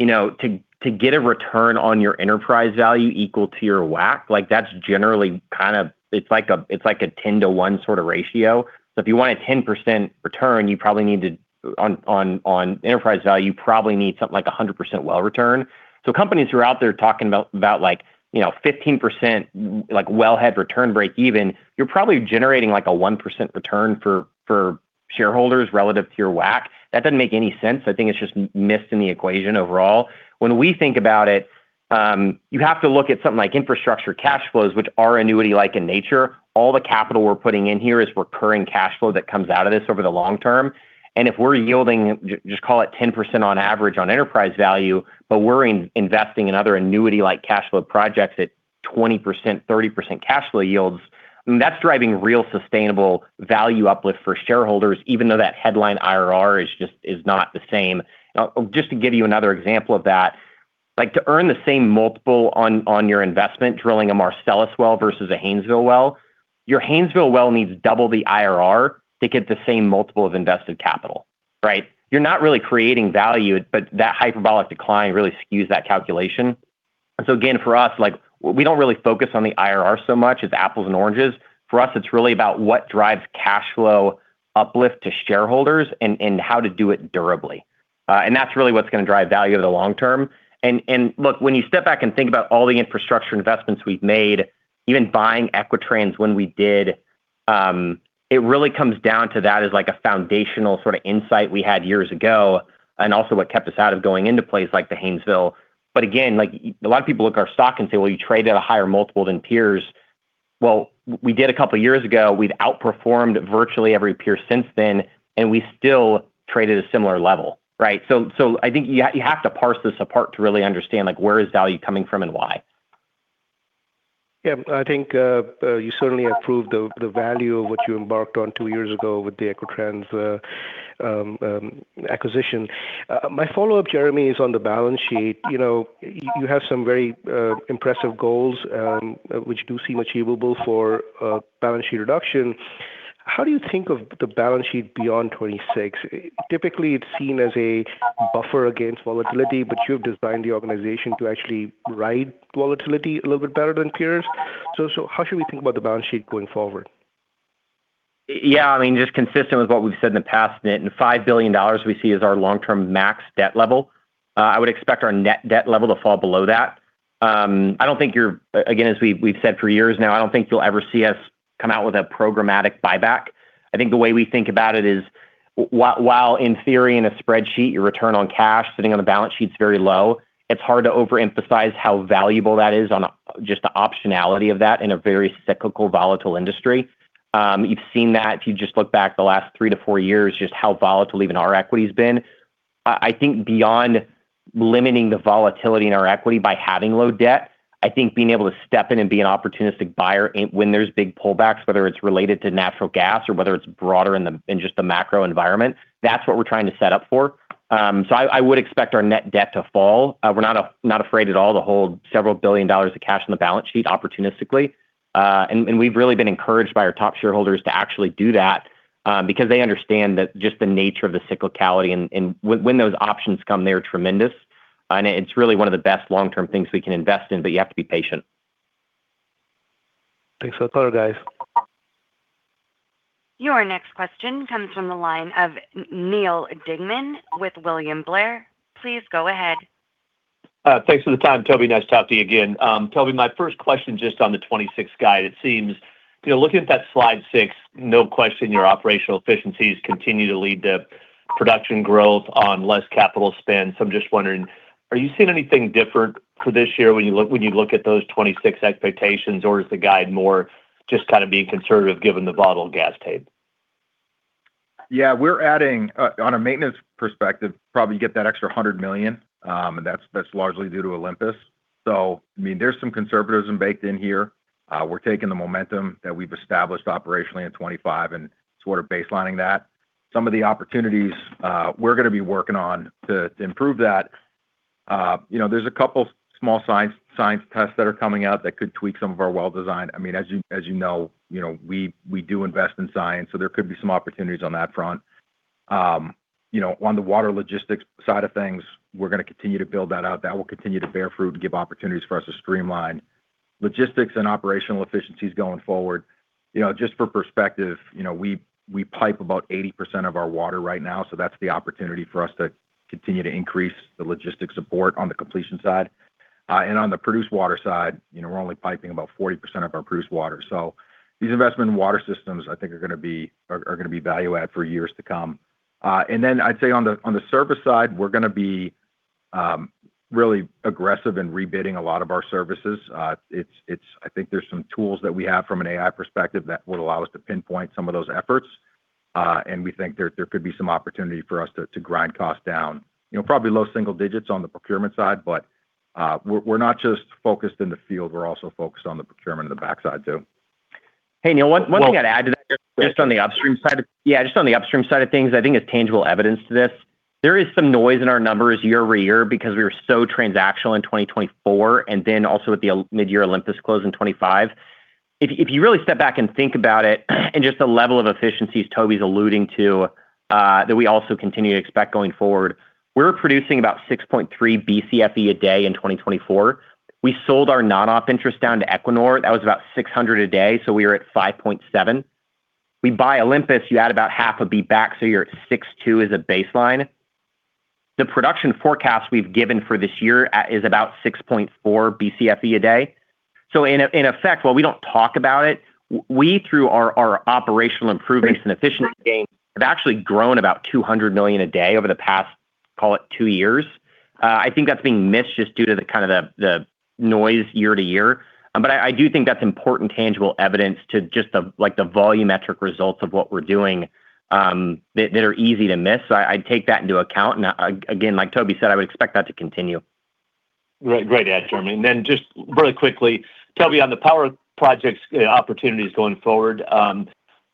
you know, to get a return on your enterprise value equal to your WACC, like, that's generally kind of... it's like a 10-to-1 sort of ratio. So if you want a 10% return, you probably need to, on enterprise value, you probably need something like a 100% well return. So companies who are out there talking about, like, you know, 15%, like, wellhead return breakeven, you're probably generating, like, a 1% return for, for shareholders relative to your WACC. That doesn't make any sense. I think it's just missed in the equation overall. When we think about it, you have to look at something like infrastructure cash flows, which are annuity-like in nature. All the capital we're putting in here is recurring cash flow that comes out of this over the long term. If we're yielding just call it 10% on average on enterprise value, but we're investing in other annuity-like cash flow projects at 20%, 30% cash flow yields. And that's driving real sustainable value uplift for shareholders, even though that headline IRR is just, is not the same. Just to give you another example of that like, to earn the same multiple on, on your investment, drilling a Marcellus well versus a Haynesville well, your Haynesville well needs double the IRR to get the same multiple of invested capital, right? You're not really creating value, but that hyperbolic decline really skews that calculation. And so again, for us, like, we don't really focus on the IRR so much. It's apples and oranges. For us, it's really about what drives cash flow uplift to shareholders and, and how to do it durably. And that's really what's gonna drive value in the long term. And look, when you step back and think about all the infrastructure investments we've made, even buying Equitrans when we did, it really comes down to that as like a foundational sort of insight we had years ago, and also what kept us out of going into plays like the Haynesville. But again, like, a lot of people look at our stock and say, "Well, you trade at a higher multiple than peers." Well, we did a couple of years ago. We've outperformed virtually every peer since then, and we still trade at a similar level, right? So, I think you have to parse this apart to really understand, like, where is value coming from and why? Yeah, I think you certainly have proved the value of what you embarked on two years ago with the Equitrans acquisition. My follow-up, Jeremy, is on the balance sheet. You know, you have some very impressive goals, which do seem achievable for a balance sheet reduction. How do you think of the balance sheet beyond 2026? Typically, it's seen as a buffer against volatility, but you've designed the organization to actually ride volatility a little bit better than peers. So how should we think about the balance sheet going forward? Yeah, I mean, just consistent with what we've said in the past, Nitin, $5 billion we see as our long-term max debt level. I would expect our net debt level to fall below that. I don't think you're. Again, as we've said for years now, I don't think you'll ever see us come out with a programmatic buyback. I think the way we think about it is while in theory, in a spreadsheet, your return on cash sitting on a balance sheet is very low, it's hard to overemphasize how valuable that is on, just the optionality of that in a very cyclical, volatile industry. You've seen that if you just look back the last three to four years, just how volatile even our equity's been. I think beyond limiting the volatility in our equity by having low debt, I think being able to step in and be an opportunistic buyer when there's big pullbacks, whether it's related to natural gas or whether it's broader in just the macro environment, that's what we're trying to set up for. So I would expect our net debt to fall. We're not afraid at all to hold several billion dollars of cash on the balance sheet opportunistically. We've really been encouraged by our top shareholders to actually do that, because they understand that just the nature of the cyclicality and when those options come, they're tremendous. And it's really one of the best long-term things we can invest in, but you have to be patient. Thanks for the color, guys. Your next question comes from the line of Neal Dingmann with William Blair. Please go ahead. Thanks for the time, Toby. Nice to talk to you again. Toby, my first question, just on the 2026 guide, it seems, you know, looking at that slide 6, no question, your operational efficiencies continue to lead to production growth on less capital spend. So I'm just wondering: Are you seeing anything different for this year when you look at those 2026 expectations, or is the guide more just kind of being conservative, given the volatile gas tape? Yeah, we're adding on a maintenance perspective, probably get that extra $100 million, and that's largely due to Olympus. So, I mean, there's some conservatism baked in here. We're taking the momentum that we've established operationally in 2025 and sort of baselining that. Some of the opportunities we're gonna be working on to improve that, you know, there's a couple small science tests that are coming out that could tweak some of our well design. I mean, as you know, we do invest in science, so there could be some opportunities on that front. You know, on the water logistics side of things, we're gonna continue to build that out. That will continue to bear fruit and give opportunities for us to streamline logistics and operational efficiencies going forward. You know, just for perspective, you know, we pipe about 80% of our water right now, so that's the opportunity for us to continue to increase the logistics support on the completion side. And on the produced water side, you know, we're only piping about 40% of our produced water. So these investment water systems, I think, are gonna be value add for years to come. Then I'd say on the service side, we're gonna be really aggressive in rebidding a lot of our services. It's I think there's some tools that we have from an AI perspective that would allow us to pinpoint some of those efforts, and we think there could be some opportunity for us to grind costs down. You know, probably low single digits on the procurement side, but we're not just focused in the field, we're also focused on the procurement of the backside, too. Hey, Neal, one thing I'd add to that, just on the upstream side. Yeah, just on the upstream side of things, I think it's tangible evidence to this. There is some noise in our numbers year-over-year because we were so transactional in 2024, and then also with the mid-year Olympus close in 2025. If you really step back and think about it, and just the level of efficiencies Toby's alluding to that we also continue to expect going forward, we're producing about 6.3 Bcfe a day in 2024. We sold our non-op interest down to Equinor. That was about 600 a day, so we were at 5.7. We buy Olympus, you add about half a B back, so you're at 6.2 as a baseline. The production forecast we've given for this year is about 6.4 Bcfe a day. So in effect, while we don't talk about it, we through our operational improvements and efficiency gains have actually grown about 200 million a day over the past, call it, 2 years. I think that's being missed just due to the kind of the noise year-to-year. But I do think that's important tangible evidence to just the, like, the volumetric results of what we're doing that are easy to miss. So I'd take that into account. And again, like Toby said, I would expect that to continue. Great, great answer, I mean, and then just really quickly, tell me on the power projects opportunities going forward,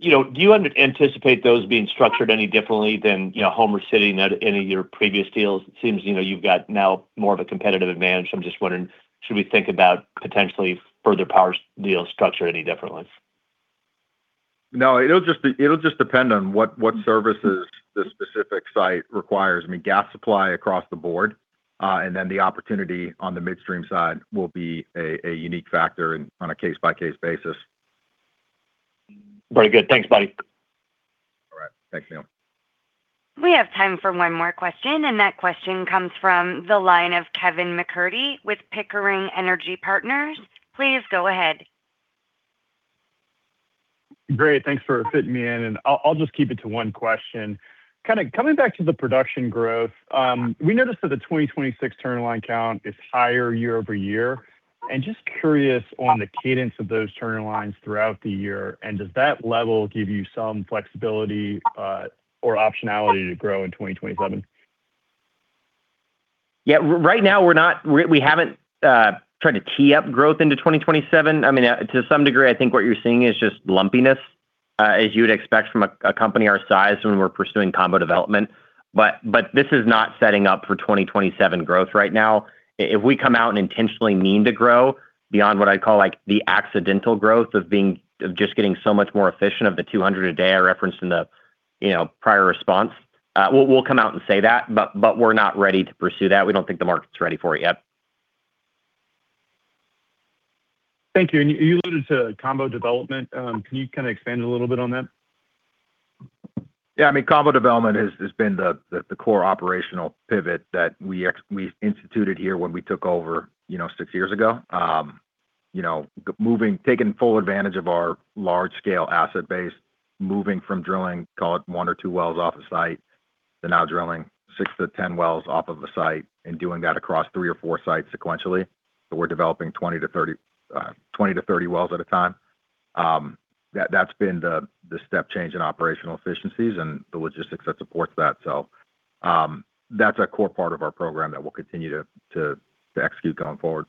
you know, do you anticipate those being structured any differently than, you know, Homer City or any of your previous deals? It seems, you know, you've got now more of a competitive advantage. I'm just wondering, should we think about potentially further power deal structure any differently? No, it'll just depend on what services the specific site requires. I mean, gas supply across the board, and then the opportunity on the midstream side will be a unique factor on a case-by-case basis. Very good. Thanks, buddy. All right. Thanks, Neal. We have time for one more question, and that question comes from the line of Kevin McCurdy with Pickering Energy Partners. Please go ahead. Great. Thanks for fitting me in, and I'll just keep it to one question. Kind of coming back to the production growth, we noticed that the 2026 turn-in-line count is higher year-over-year, and just curious on the cadence of those turn-in-lines throughout the year, and does that level give you some flexibility, or optionality to grow in 2027? Yeah, right now, we're not—we haven't tried to tee up growth into 2027. I mean, to some degree, I think what you're seeing is just lumpiness, as you would expect from a company our size when we're pursuing combo development. But this is not setting up for 2027 growth right now. If we come out and intentionally mean to grow beyond what I'd call, like, the accidental growth of being... of just getting so much more efficient of the 200 a day I referenced in the, you know, prior response, we'll come out and say that, but we're not ready to pursue that. We don't think the market's ready for it yet. Thank you. You, you alluded to combo development. Can you kind of expand a little bit on that? Yeah, I mean, combo development has been the core operational pivot that we instituted here when we took over, you know, six years ago. You know, moving, taking full advantage of our large scale asset base, moving from drilling, call it one or two wells off the site to now drilling six to 10 wells off of a site and doing that across three or four sites sequentially. So we're developing 20 to 30 wells at a time. That's been the step change in operational efficiencies and the logistics that supports that. So, that's a core part of our program that we'll continue to execute going forward.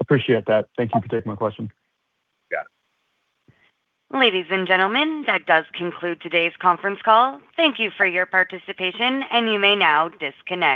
Appreciate that. Thank you for taking my question. Yeah. Ladies and gentlemen, that does conclude today's conference call. Thank you for your participation, and you may now disconnect.